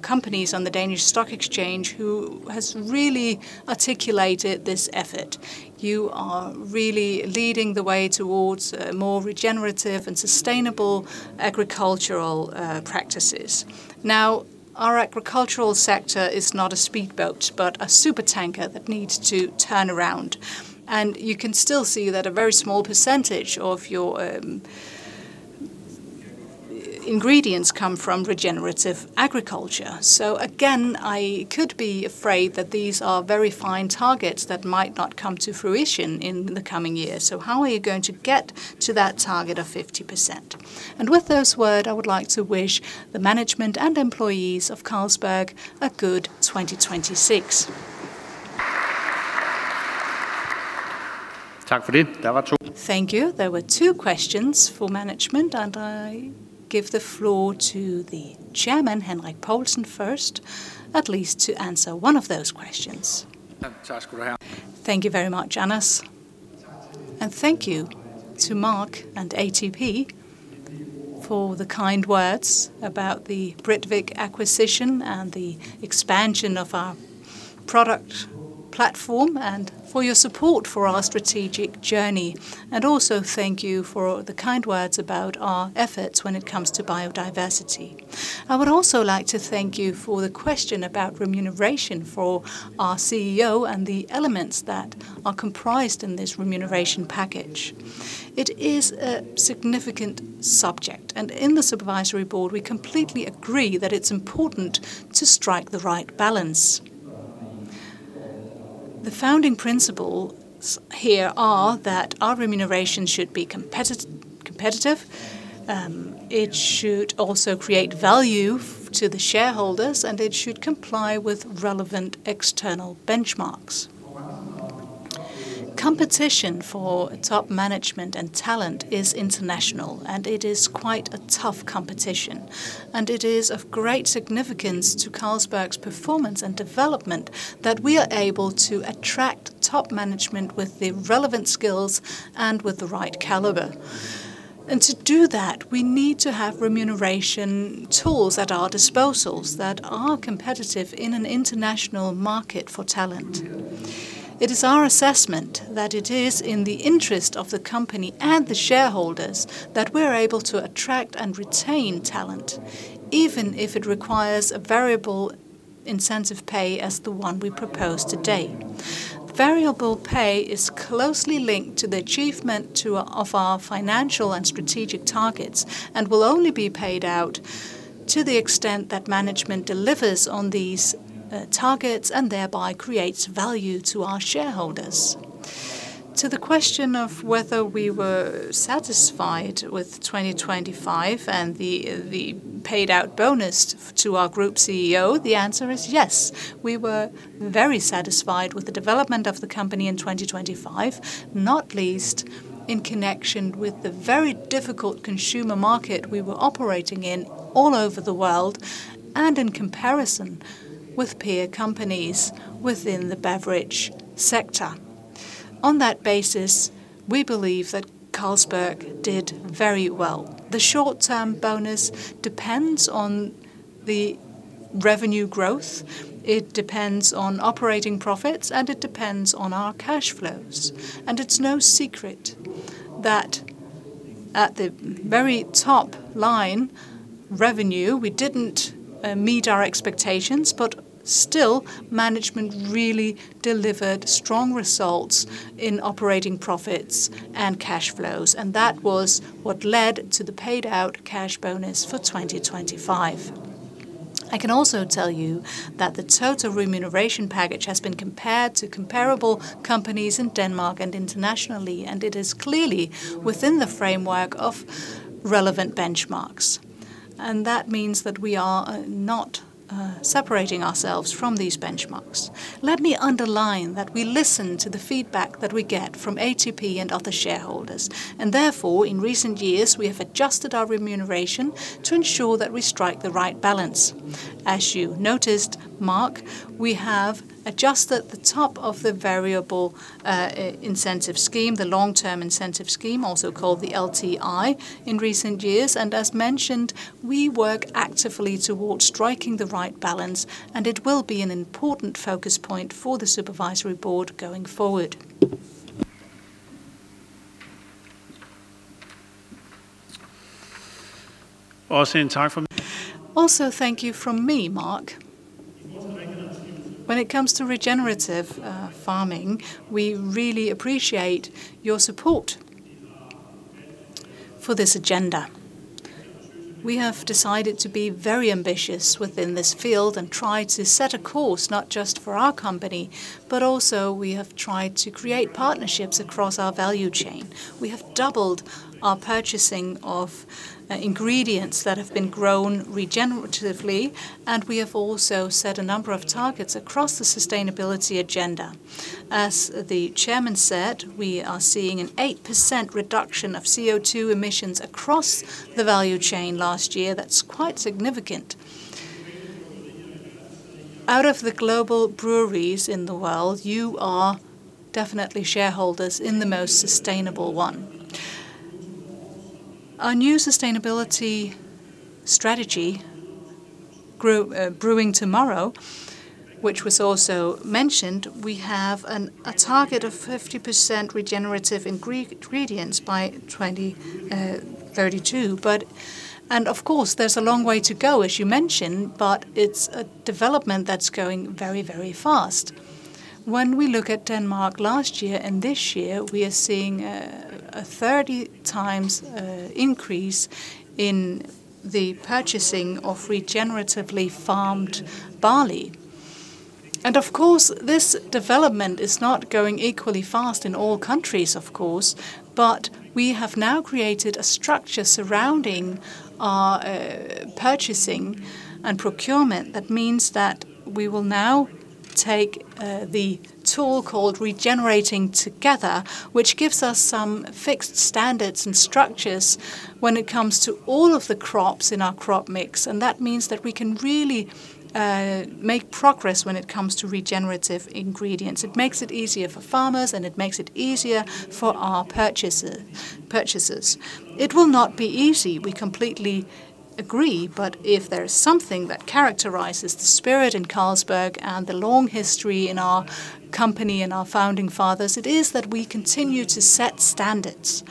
companies on the Danish Stock Exchange who has really articulated this effort. You are really leading the way towards more regenerative and sustainable agricultural practices. Our agricultural sector is not a speedboat, but a supertanker that needs to turn around. You can still see that a very small percentage of your ingredients come from regenerative agriculture. Again, I could be afraid that these are very fine targets that might not come to fruition in the coming years. How are you going to get to that target of 50%? With those words, I would like to wish the management and employees of Carlsberg a good 2026. Thank you. There were two questions for management, and I give the floor to the chairman, Henrik Poulsen first, at least to answer one of those questions. Thank you very much, Anders Stubbe Arndal. Thank you to Mark and ATP for the kind words about the Britvic acquisition and the expansion of our product platform, and for your support for our strategic journey. Thank you for the kind words about our efforts when it comes to biodiversity. I would also like to thank you for the question about remuneration for our CEO and the elements that are comprised in this remuneration package. It is a significant subject, and in the supervisory board, we completely agree that it's important to strike the right balance. The founding principles here are that our remuneration should be competitive, it should also create value to the shareholders, and it should comply with relevant external benchmarks. Competition for top management and talent is international, and it is quite a tough competition, and it is of great significance to Carlsberg's performance and development that we are able to attract top management with the relevant skills and with the right caliber. To do that, we need to have remuneration tools at our disposals that are competitive in an international market for talent. It is our assessment that it is in the interest of the company and the shareholders that we're able to attract and retain talent, even if it requires a variable incentive pay as the one we propose today. Variable pay is closely linked to the achievement of our financial and strategic targets, and will only be paid out to the extent that management delivers on these targets and thereby creates value to our shareholders. To the question of whether we were satisfied with 2025 and the paid out bonus to our Group CEO, the answer is yes. We were very satisfied with the development of the company in 2025, not least in connection with the very difficult consumer market we were operating in all over the world, and in comparison with peer companies within the beverage sector. On that basis, we believe that Carlsberg did very well. The short-term bonus depends on the revenue growth, it depends on operating profits, and it depends on our cash flows. It's no secret that at the very top line revenue, we didn't meet our expectations, but still management really delivered strong results in operating profits and cash flows. That was what led to the paid out cash bonus for 2025. I can also tell you that the total remuneration package has been compared to comparable companies in Denmark and internationally, and it is clearly within the framework of relevant benchmarks. That means that we are not separating ourselves from these benchmarks. Let me underline that we listen to the feedback that we get from ATP and other shareholders, and therefore, in recent years, we have adjusted our remuneration to ensure that we strike the right balance. As you noticed, Mark, we have adjusted the top of the variable incentive scheme, the long-term incentive scheme, also called the LTI, in recent years. As mentioned, we work actively towards striking the right balance, and it will be an important focus point for the Supervisory Board going forward. Also, thank you from me, Mark. When it comes to regenerative farming, we really appreciate your support for this agenda. We have decided to be very ambitious within this field and try to set a course not just for our company, but also we have tried to create partnerships across our value chain. We have doubled our purchasing of ingredients that have been grown regeneratively, and we have also set a number of targets across the sustainability agenda. As the chairman said, we are seeing an 8% reduction of CO2 emissions across the value chain last year. That's quite significant. Out of the global breweries in the world, you are definitely shareholders in the most sustainable one. Our new sustainability strategy, Brewing Tomorrow, which was also mentioned, we have a target of 50% regenerative ingredients by 2032. Of course, there's a long way to go, as you mentioned, but it's a development that's going very, very fast. When we look at Denmark last year and this year, we are seeing a 30 times increase in the purchasing of regeneratively farmed barley. Of course, this development is not going equally fast in all countries, of course, but we have now created a structure surrounding our purchasing and procurement that means that we will now take the tool called Regenerating Together, which gives us some fixed standards and structures when it comes to all of the crops in our crop mix. That means that we can really make progress when it comes to regenerative ingredients. It makes it easier for farmers, and it makes it easier for our purchaser, purchasers. It will not be easy, we completely agree, but if there is something that characterizes the spirit in Carlsberg and the long history in our company and our founding fathers, it is that we continue to set standards.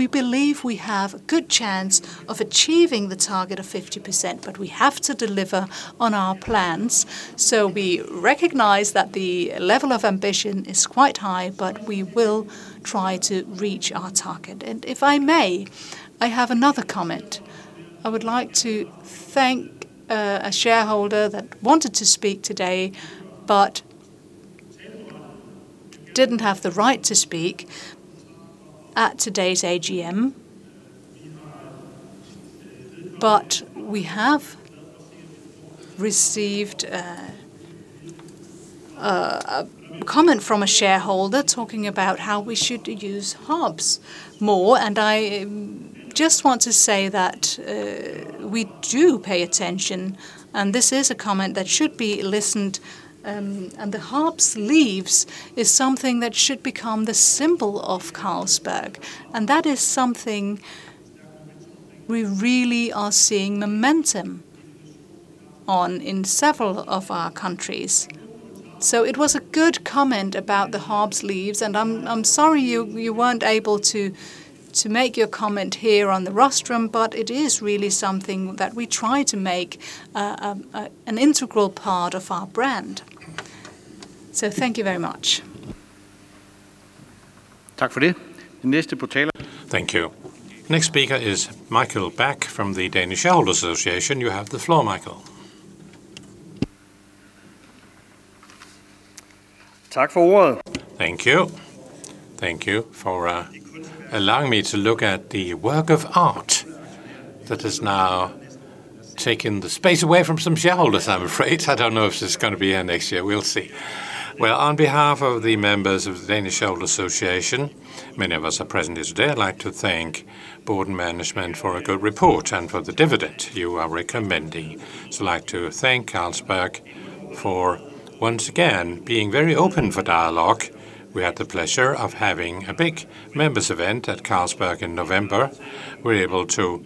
We believe we have good chance of achieving the target of 50%, but we have to deliver on our plans. We recognize that the level of ambition is quite high, but we will try to reach our target. If I may, I have another comment. I would like to thank a shareholder that wanted to speak today, but didn't have the right to speak at today's AGM. We have received a comment from a shareholder talking about how we should use hops more. I just want to say that we do pay attention, and this is a comment that should be listened, and the hops leaves is something that should become the symbol of Carlsberg. That is something we really are seeing momentum on in several of our countries. It was a good comment about the hops leaves, and I'm sorry you weren't able to make your comment here on the rostrum, but it is really something that we try to make an integral part of our brand. Thank you very much. Thank you. Next speaker is Michael Bach from the Danish Shareholders Association. You have the floor, Michael. Thank you. Thank you for allowing me to look at the work of art that has now taken the space away from some shareholders, I'm afraid. I don't know if this is gonna be here next year. We'll see. Well, on behalf of the members of the Danish Shareholders Association, many of us are present here today, I'd like to thank board management for a good report and for the dividend you are recommending. I'd like to thank Carlsberg for, once again, being very open for dialogue. We had the pleasure of having a big members event at Carlsberg in November. We're able to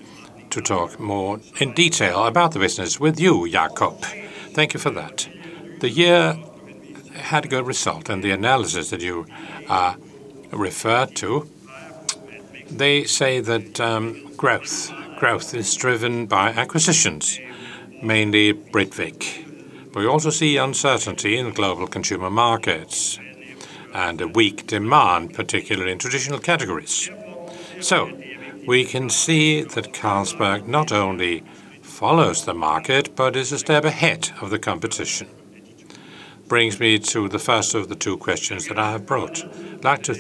talk more in detail about the business with you, Jacob. Thank you for that. The year had a good result, and the analysis that you refer to, they say that growth is driven by acquisitions, mainly Britvic. We also see uncertainty in global consumer markets and a weak demand, particularly in traditional categories. We can see that Carlsberg not only follows the market but is a step ahead of the competition. Brings me to the first of the two questions that I have brought. I'd like to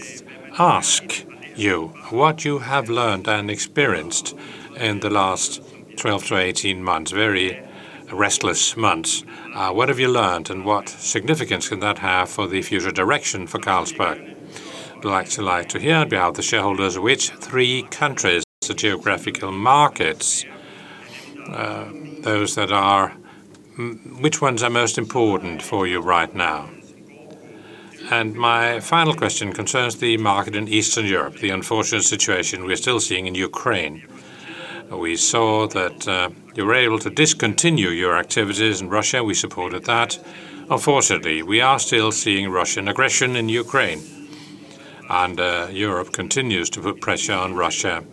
ask you what you have learned and experienced in the last 12-18 months, very restless months. What have you learned, and what significance can that have for the future direction for Carlsberg? I'd like to, like to hear on behalf of the shareholders which three countries, the geographical markets, those that are which ones are most important for you right now? My final question concerns the market in Eastern Europe, the unfortunate situation we're still seeing in Ukraine. We saw that, you were able to discontinue your activities in Russia. We supported that. Unfortunately, we are still seeing Russian aggression in Ukraine, and, Europe continues to put pressure on Russia.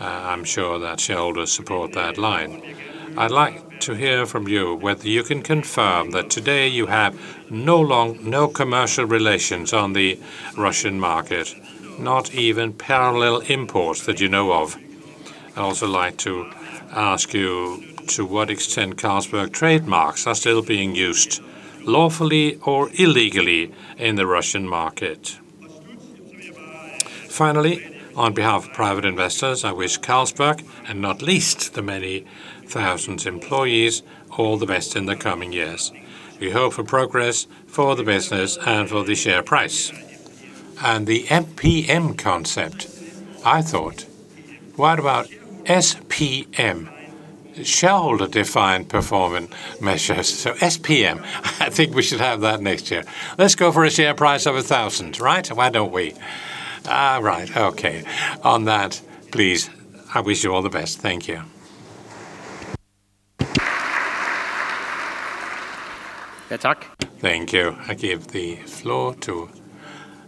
I'm sure that shareholders support that line. I'd like to hear from you whether you can confirm that today you have no commercial relations on the Russian market, not even parallel imports that you know of. I'd also like to ask you to what extent Carlsberg trademarks are still being used lawfully or illegally in the Russian market. Finally, on behalf of private investors, I wish Carlsberg, and not least the many thousands employees, all the best in the coming years. We hope for progress for the business and for the share price. The MPM concept, I thought, what about SPM, shareholder-defined performance measures? SPM, I think we should have that next year. Let's go for a share price of 1,000 DKK, right? Why don't we? All right. Okay. On that, please, I wish you all the best. Thank you. I give the floor to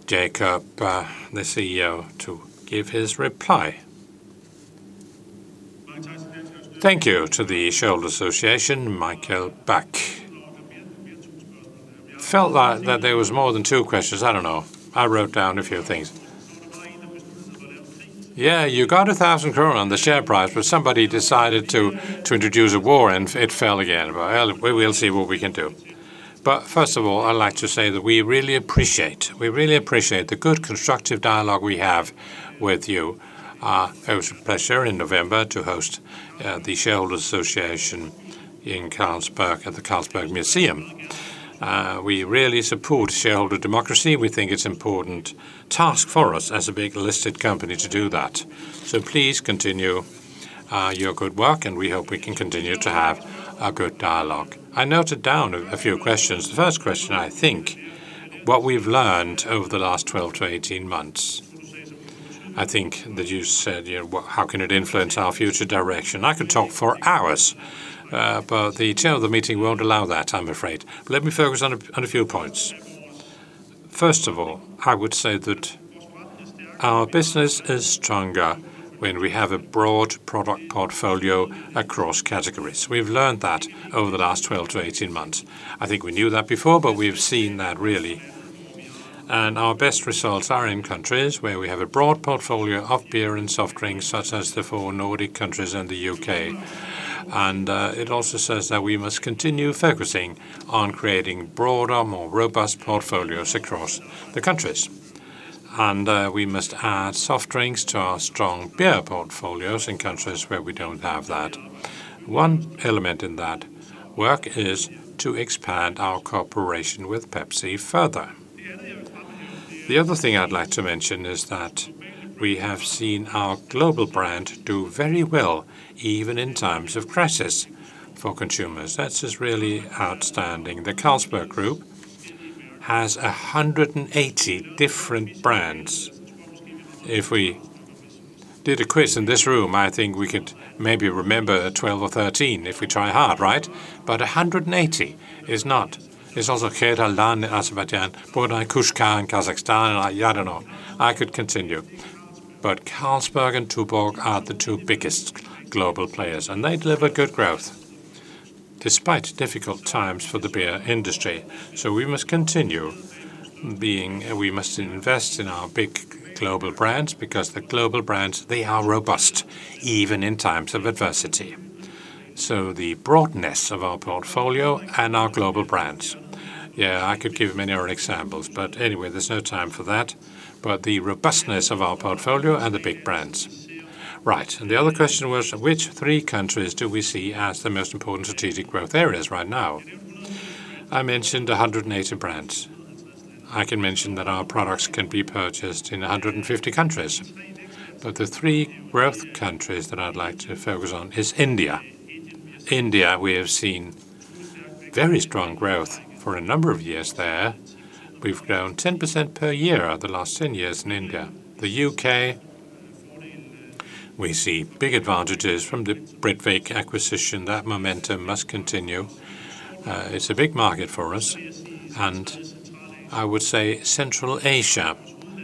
Jacob, the CEO, to give his reply. Thank you to the Danish Shareholders Association, Michael Bach. Felt like there was more than two questions. I don't know. I wrote down a few things. Yeah, you got 1,000 kroner on the share price, but somebody decided to introduce a war and it fell again. We'll see what we can do. First of all, I'd like to say that we really appreciate the good constructive dialogue we have with you. It was a pleasure in November to host the shareholder association in Carlsberg at the Carlsberg Museum. We really support shareholder democracy. We think it's important task for us as a big listed company to do that. Please continue your good work, and we hope we can continue to have a good dialogue. I noted down a few questions. The first question, I think what we've learned over the last 12-18 months, I think that you said, you know, how can it influence our future direction? I could talk for hours but the chair of the meeting won't allow that, I'm afraid. Let me focus on a few points. First of all, I would say that our business is stronger when we have a broad product portfolio across categories. We've learned that over the last 12-18 months. I think we knew that before, but we've seen that really. Our best results are in countries where we have a broad portfolio of beer and soft drinks such as the four Nordic countries and the U.K. It also says that we must continue focusing on creating broader, more robust portfolios across the countries. We must add soft drinks to our strong beer portfolios in countries where we don't have that. One element in that work is to expand our cooperation with Pepsi further. The other thing I'd like to mention is that we have seen our global brand do very well even in times of crisis for consumers. That is really outstanding. The Carlsberg Group has 180 different brands. If we did a quiz in this room, I think we could maybe remember 12 or 13 if we try hard, right? 180 is not. There's also Kazakhstan, I don't know. I could continue. Carlsberg and Tuborg are the two biggest global players, and they deliver good growth despite difficult times for the beer industry. We must invest in our big global brands because the global brands, they are robust even in times of adversity. The broadness of our portfolio and our global brands. Yeah, I could give many other examples, but anyway, there's no time for that. The robustness of our portfolio and the big brands. Right. The other question was, which three countries do we see as the most important strategic growth areas right now? I mentioned 180 brands. I can mention that our products can be purchased in 150 countries. The three growth countries that I'd like to focus on is India. India, we have seen very strong growth for a number of years there. We've grown 10% per year over the last 10 years in India. The U.K., we see big advantages from the Britvic acquisition. That momentum must continue. It's a big market for us, and I would say Central Asia.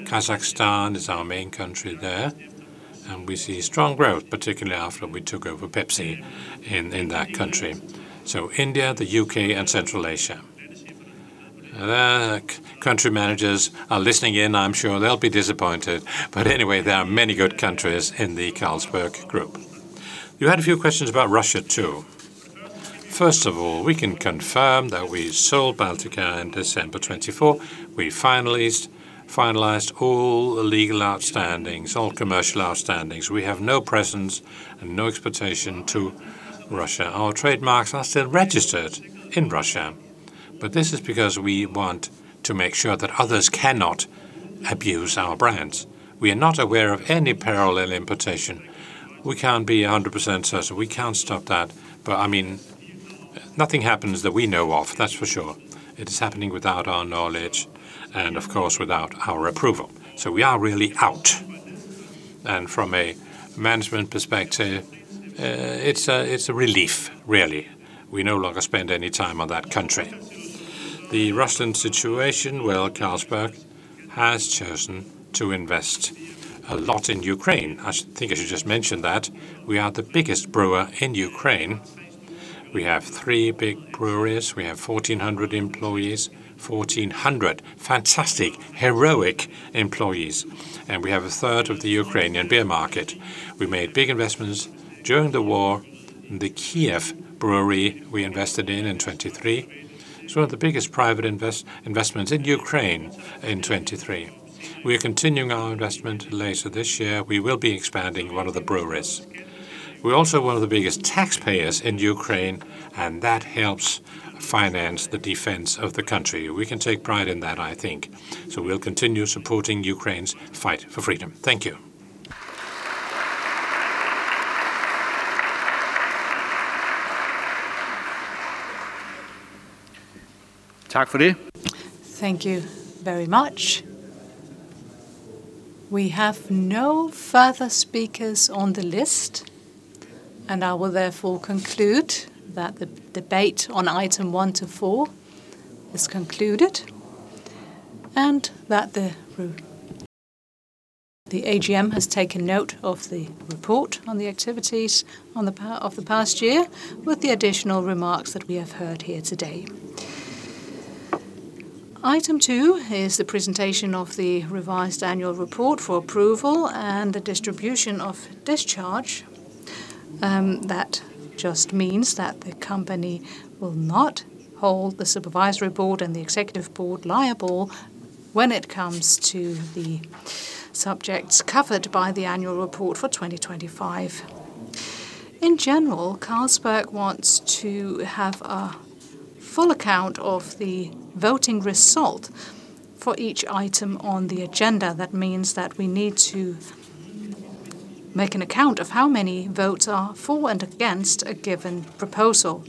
Kazakhstan is our main country there, and we see strong growth, particularly after we took over Pepsi in that country. India, the U.K., and Central Asia. The country managers are listening in. I'm sure they'll be disappointed. Anyway, there are many good countries in the Carlsberg Group. You had a few questions about Russia too. First of all, we can confirm that we sold Baltika in December 2024. We finalized all the legal outstandings, all commercial outstandings. We have no presence and no exportation to Russia. Our trademarks are still registered in Russia, but this is because we want to make sure that others cannot abuse our brands. We are not aware of any parallel importation. We can't be 100% certain. We can't stop that. I mean, nothing happens that we know of. That's for sure. It is happening without our knowledge and of course without our approval. We are really out. From a management perspective, it's a relief really. We no longer spend any time on that country. The Russian situation, well, Carlsberg has chosen to invest a lot in Ukraine. I think I should just mention that we are the biggest brewer in Ukraine. We have three big breweries. We have 1,400 employees, 1,400 fantastic heroic employees, and we have 1/3 of the Ukrainian beer market. We made big investments during the war. The Kyiv brewery we invested in in 2023. It's one of the biggest private investments in Ukraine in 2023. We are continuing our investment later this year. We will be expanding one of the breweries. We're also one of the biggest taxpayers in Ukraine, and that helps finance the defense of the country. We can take pride in that, I think. We'll continue supporting Ukraine's fight for freedom. Thank you. Thank you very much. We have no further speakers on the list, and I will therefore conclude that the debate on item one to four is concluded and that the AGM has taken note of the report on the activities of the past year with the additional remarks that we have heard here today. Item two is the presentation of the revised annual report for approval and discharge. That just means that the company will not hold the supervisory board and the executive board liable when it comes to the subjects covered by the annual report for 2025. In general, Carlsberg wants to have a full account of the voting result for each item on the agenda. That means that we need to make an account of how many votes are for and against a given proposal.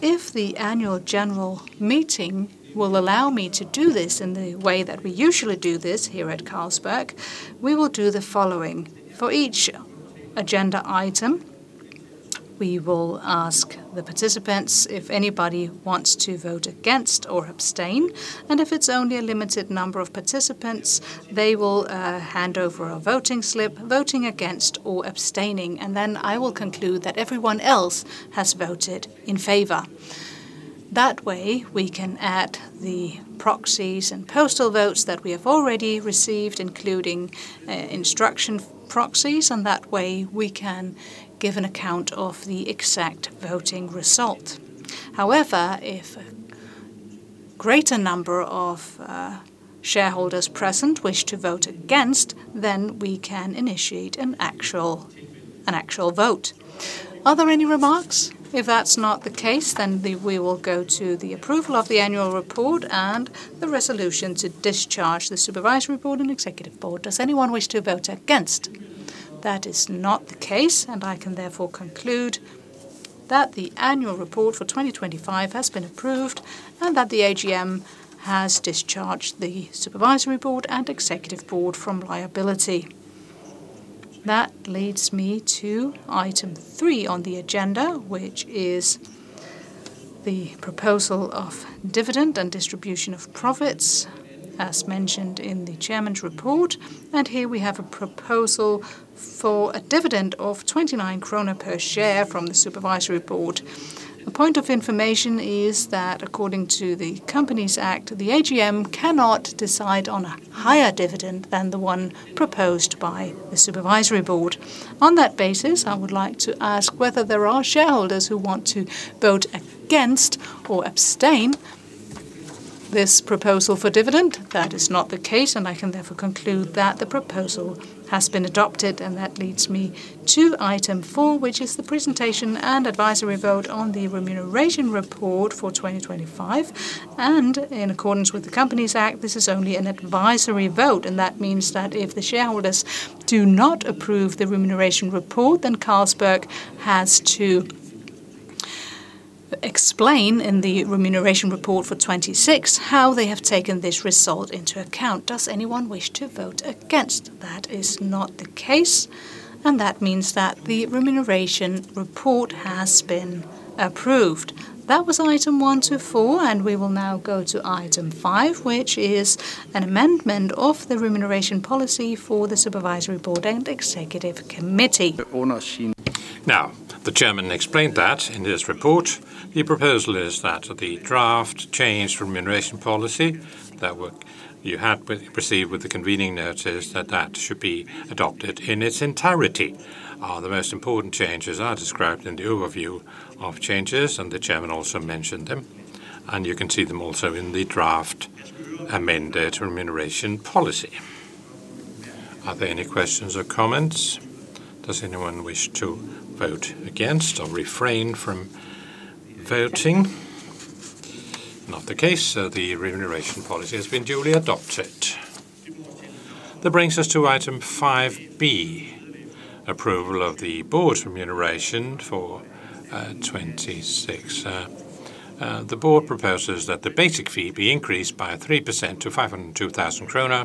If the annual general meeting will allow me to do this in the way that we usually do this here at Carlsberg, we will do the following. For each agenda item, we will ask the participants if anybody wants to vote against or abstain, and if it's only a limited number of participants, they will hand over a voting slip, voting against or abstaining, and then I will conclude that everyone else has voted in favor. That way we can add the proxies and postal votes that we have already received, including instruction proxies, and that way we can give an account of the exact voting result. However, if a greater number of shareholders present wish to vote against, then we can initiate an actual vote. Are there any remarks? If that's not the case, We will go to the approval of the annual report and the resolution to discharge the supervisory board and executive board. Does anyone wish to vote against? That is not the case, and I can therefore conclude that the annual report for 2025 has been approved and that the AGM has discharged the supervisory board and executive board from liability. That leads me to item three on the agenda, which is the proposal of dividend and distribution of profits, as mentioned in the chairman's report. Here we have a proposal for a dividend of 29 krone per share from the supervisory board. A point of information is that according to the Companies Act, the AGM cannot decide on a higher dividend than the one proposed by the supervisory board. On that basis, I would like to ask whether there are shareholders who want to vote against or abstain this proposal for dividend. That is not the case, and I can therefore conclude that the proposal has been adopted and that leads me to item four, which is the presentation and advisory vote on the remuneration report for 2025. In accordance with the Danish Companies Act, this is only an advisory vote, and that means that if the shareholders do not approve the remuneration report, then Carlsberg has to explain in the remuneration report for 2026 how they have taken this result into account. Does anyone wish to vote against? That is not the case, and that means that the remuneration report has been approved. That was item 1 to 4, and we will now go to item 5, which is an amendment of the remuneration policy for the Supervisory Board and Executive Committee. Now, the chairman explained that in his report. The proposal is that the draft change remuneration policy that you received with the convening notice should be adopted in its entirety. The most important changes are described in the overview of changes, and the chairman also mentioned them, and you can see them also in the draft amended remuneration policy. Are there any questions or comments? Does anyone wish to vote against or refrain from voting? Not the case, the remuneration policy has been duly adopted. That brings us to item 5B, approval of the board's remuneration for 2026. The board proposes that the basic fee be increased by 3% to 502,000 kroner,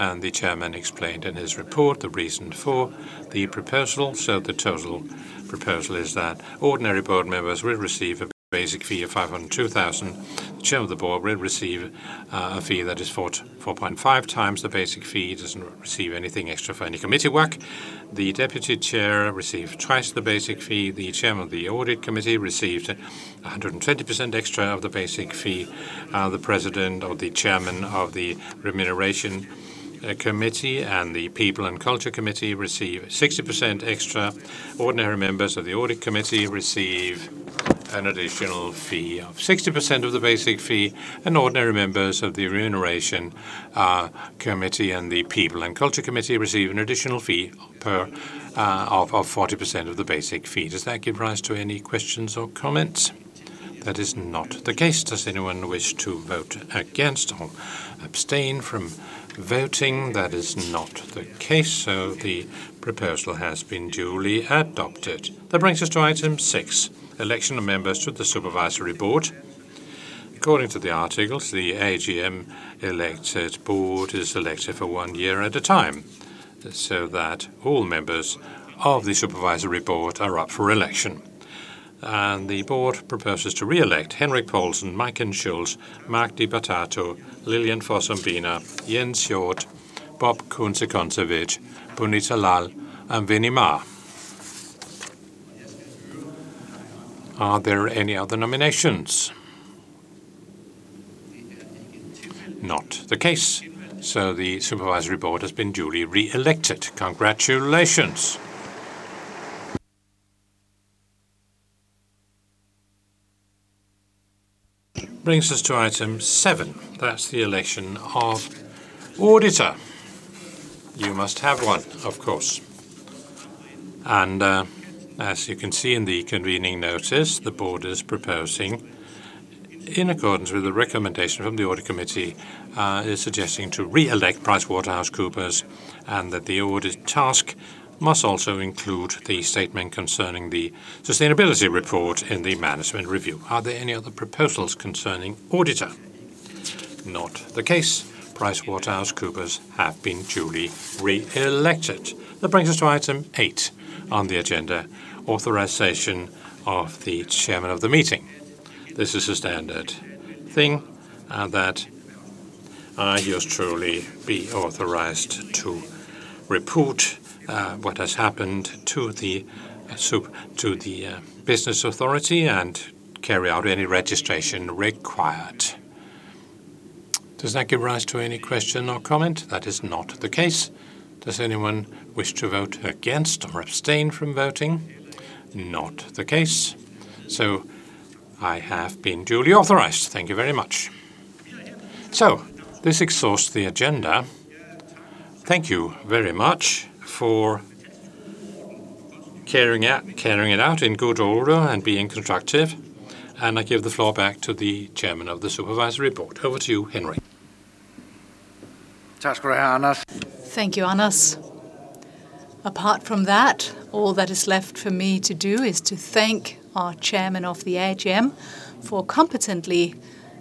and the chairman explained in his report the reason for the proposal. The total proposal is that ordinary board members will receive a basic fee of 502 thousand. The chair of the board will receive a fee that is 4.5 times the basic fee. He doesn't receive anything extra for any committee work. The deputy chair received twice the basic fee. The chairman of the Audit Committee received 120% extra of the basic fee. The president or the chairman of the Remuneration Committee and the People & Culture Committee receive 60% extra. Ordinary members of the Audit Committee receive an additional fee of 60% of the basic fee, and ordinary members of the Remuneration Committee and the People & Culture Committee receive an additional fee of 40% of the basic fee. Does that give rise to any questions or comments? That is not the case. Does anyone wish to vote against or abstain from voting? That is not the case, so the proposal has been duly adopted. That brings us to item six, election of members to the Supervisory Board. According to the articles, the AGM-elected board is elected for one year at a time, so that all members of the Supervisory Board are up for election. The board proposes to reelect Henrik Poulsen, Majken Schultz, Magdi Batato, Lilian Fossum Biner, Jens Hjorth, Bob Kunze-Concewicz, Punita Lal, and Winnie Ma. Are there any other nominations? Not the case. The supervisory board has been duly reelected. Congratulations. Brings us to item seven. That's the election of auditor. You must have one, of course. As you can see in the convening notice, the board is proposing in accordance with the recommendation from the Audit Committee, is suggesting to reelect PricewaterhouseCoopers and that the audit task must also include the statement concerning the sustainability report in the management review. Are there any other proposals concerning auditor? Not the case. PricewaterhouseCoopers have been duly reelected. That brings us to item eight on the agenda, authorization of the chairman of the meeting. This is a standard thing, that yours truly be authorized to report what has happened to the business authority and carry out any registration required. Does that give rise to any question or comment? That is not the case. Does anyone wish to vote against or abstain from voting? Not the case. I have been duly authorized. Thank you very much. This exhausts the agenda. Thank you very much for carrying it out in good order and being constructive, and I give the floor back to the Chairman of the Supervisory Board. Over to you, Henrik. Thank you, Anders. Apart from that, all that is left for me to do is to thank our chairman of the AGM for competently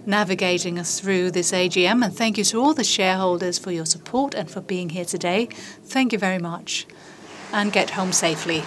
navigating us through this AGM, and thank you to all the shareholders for your support and for being here today. Thank you very much, and get home safely.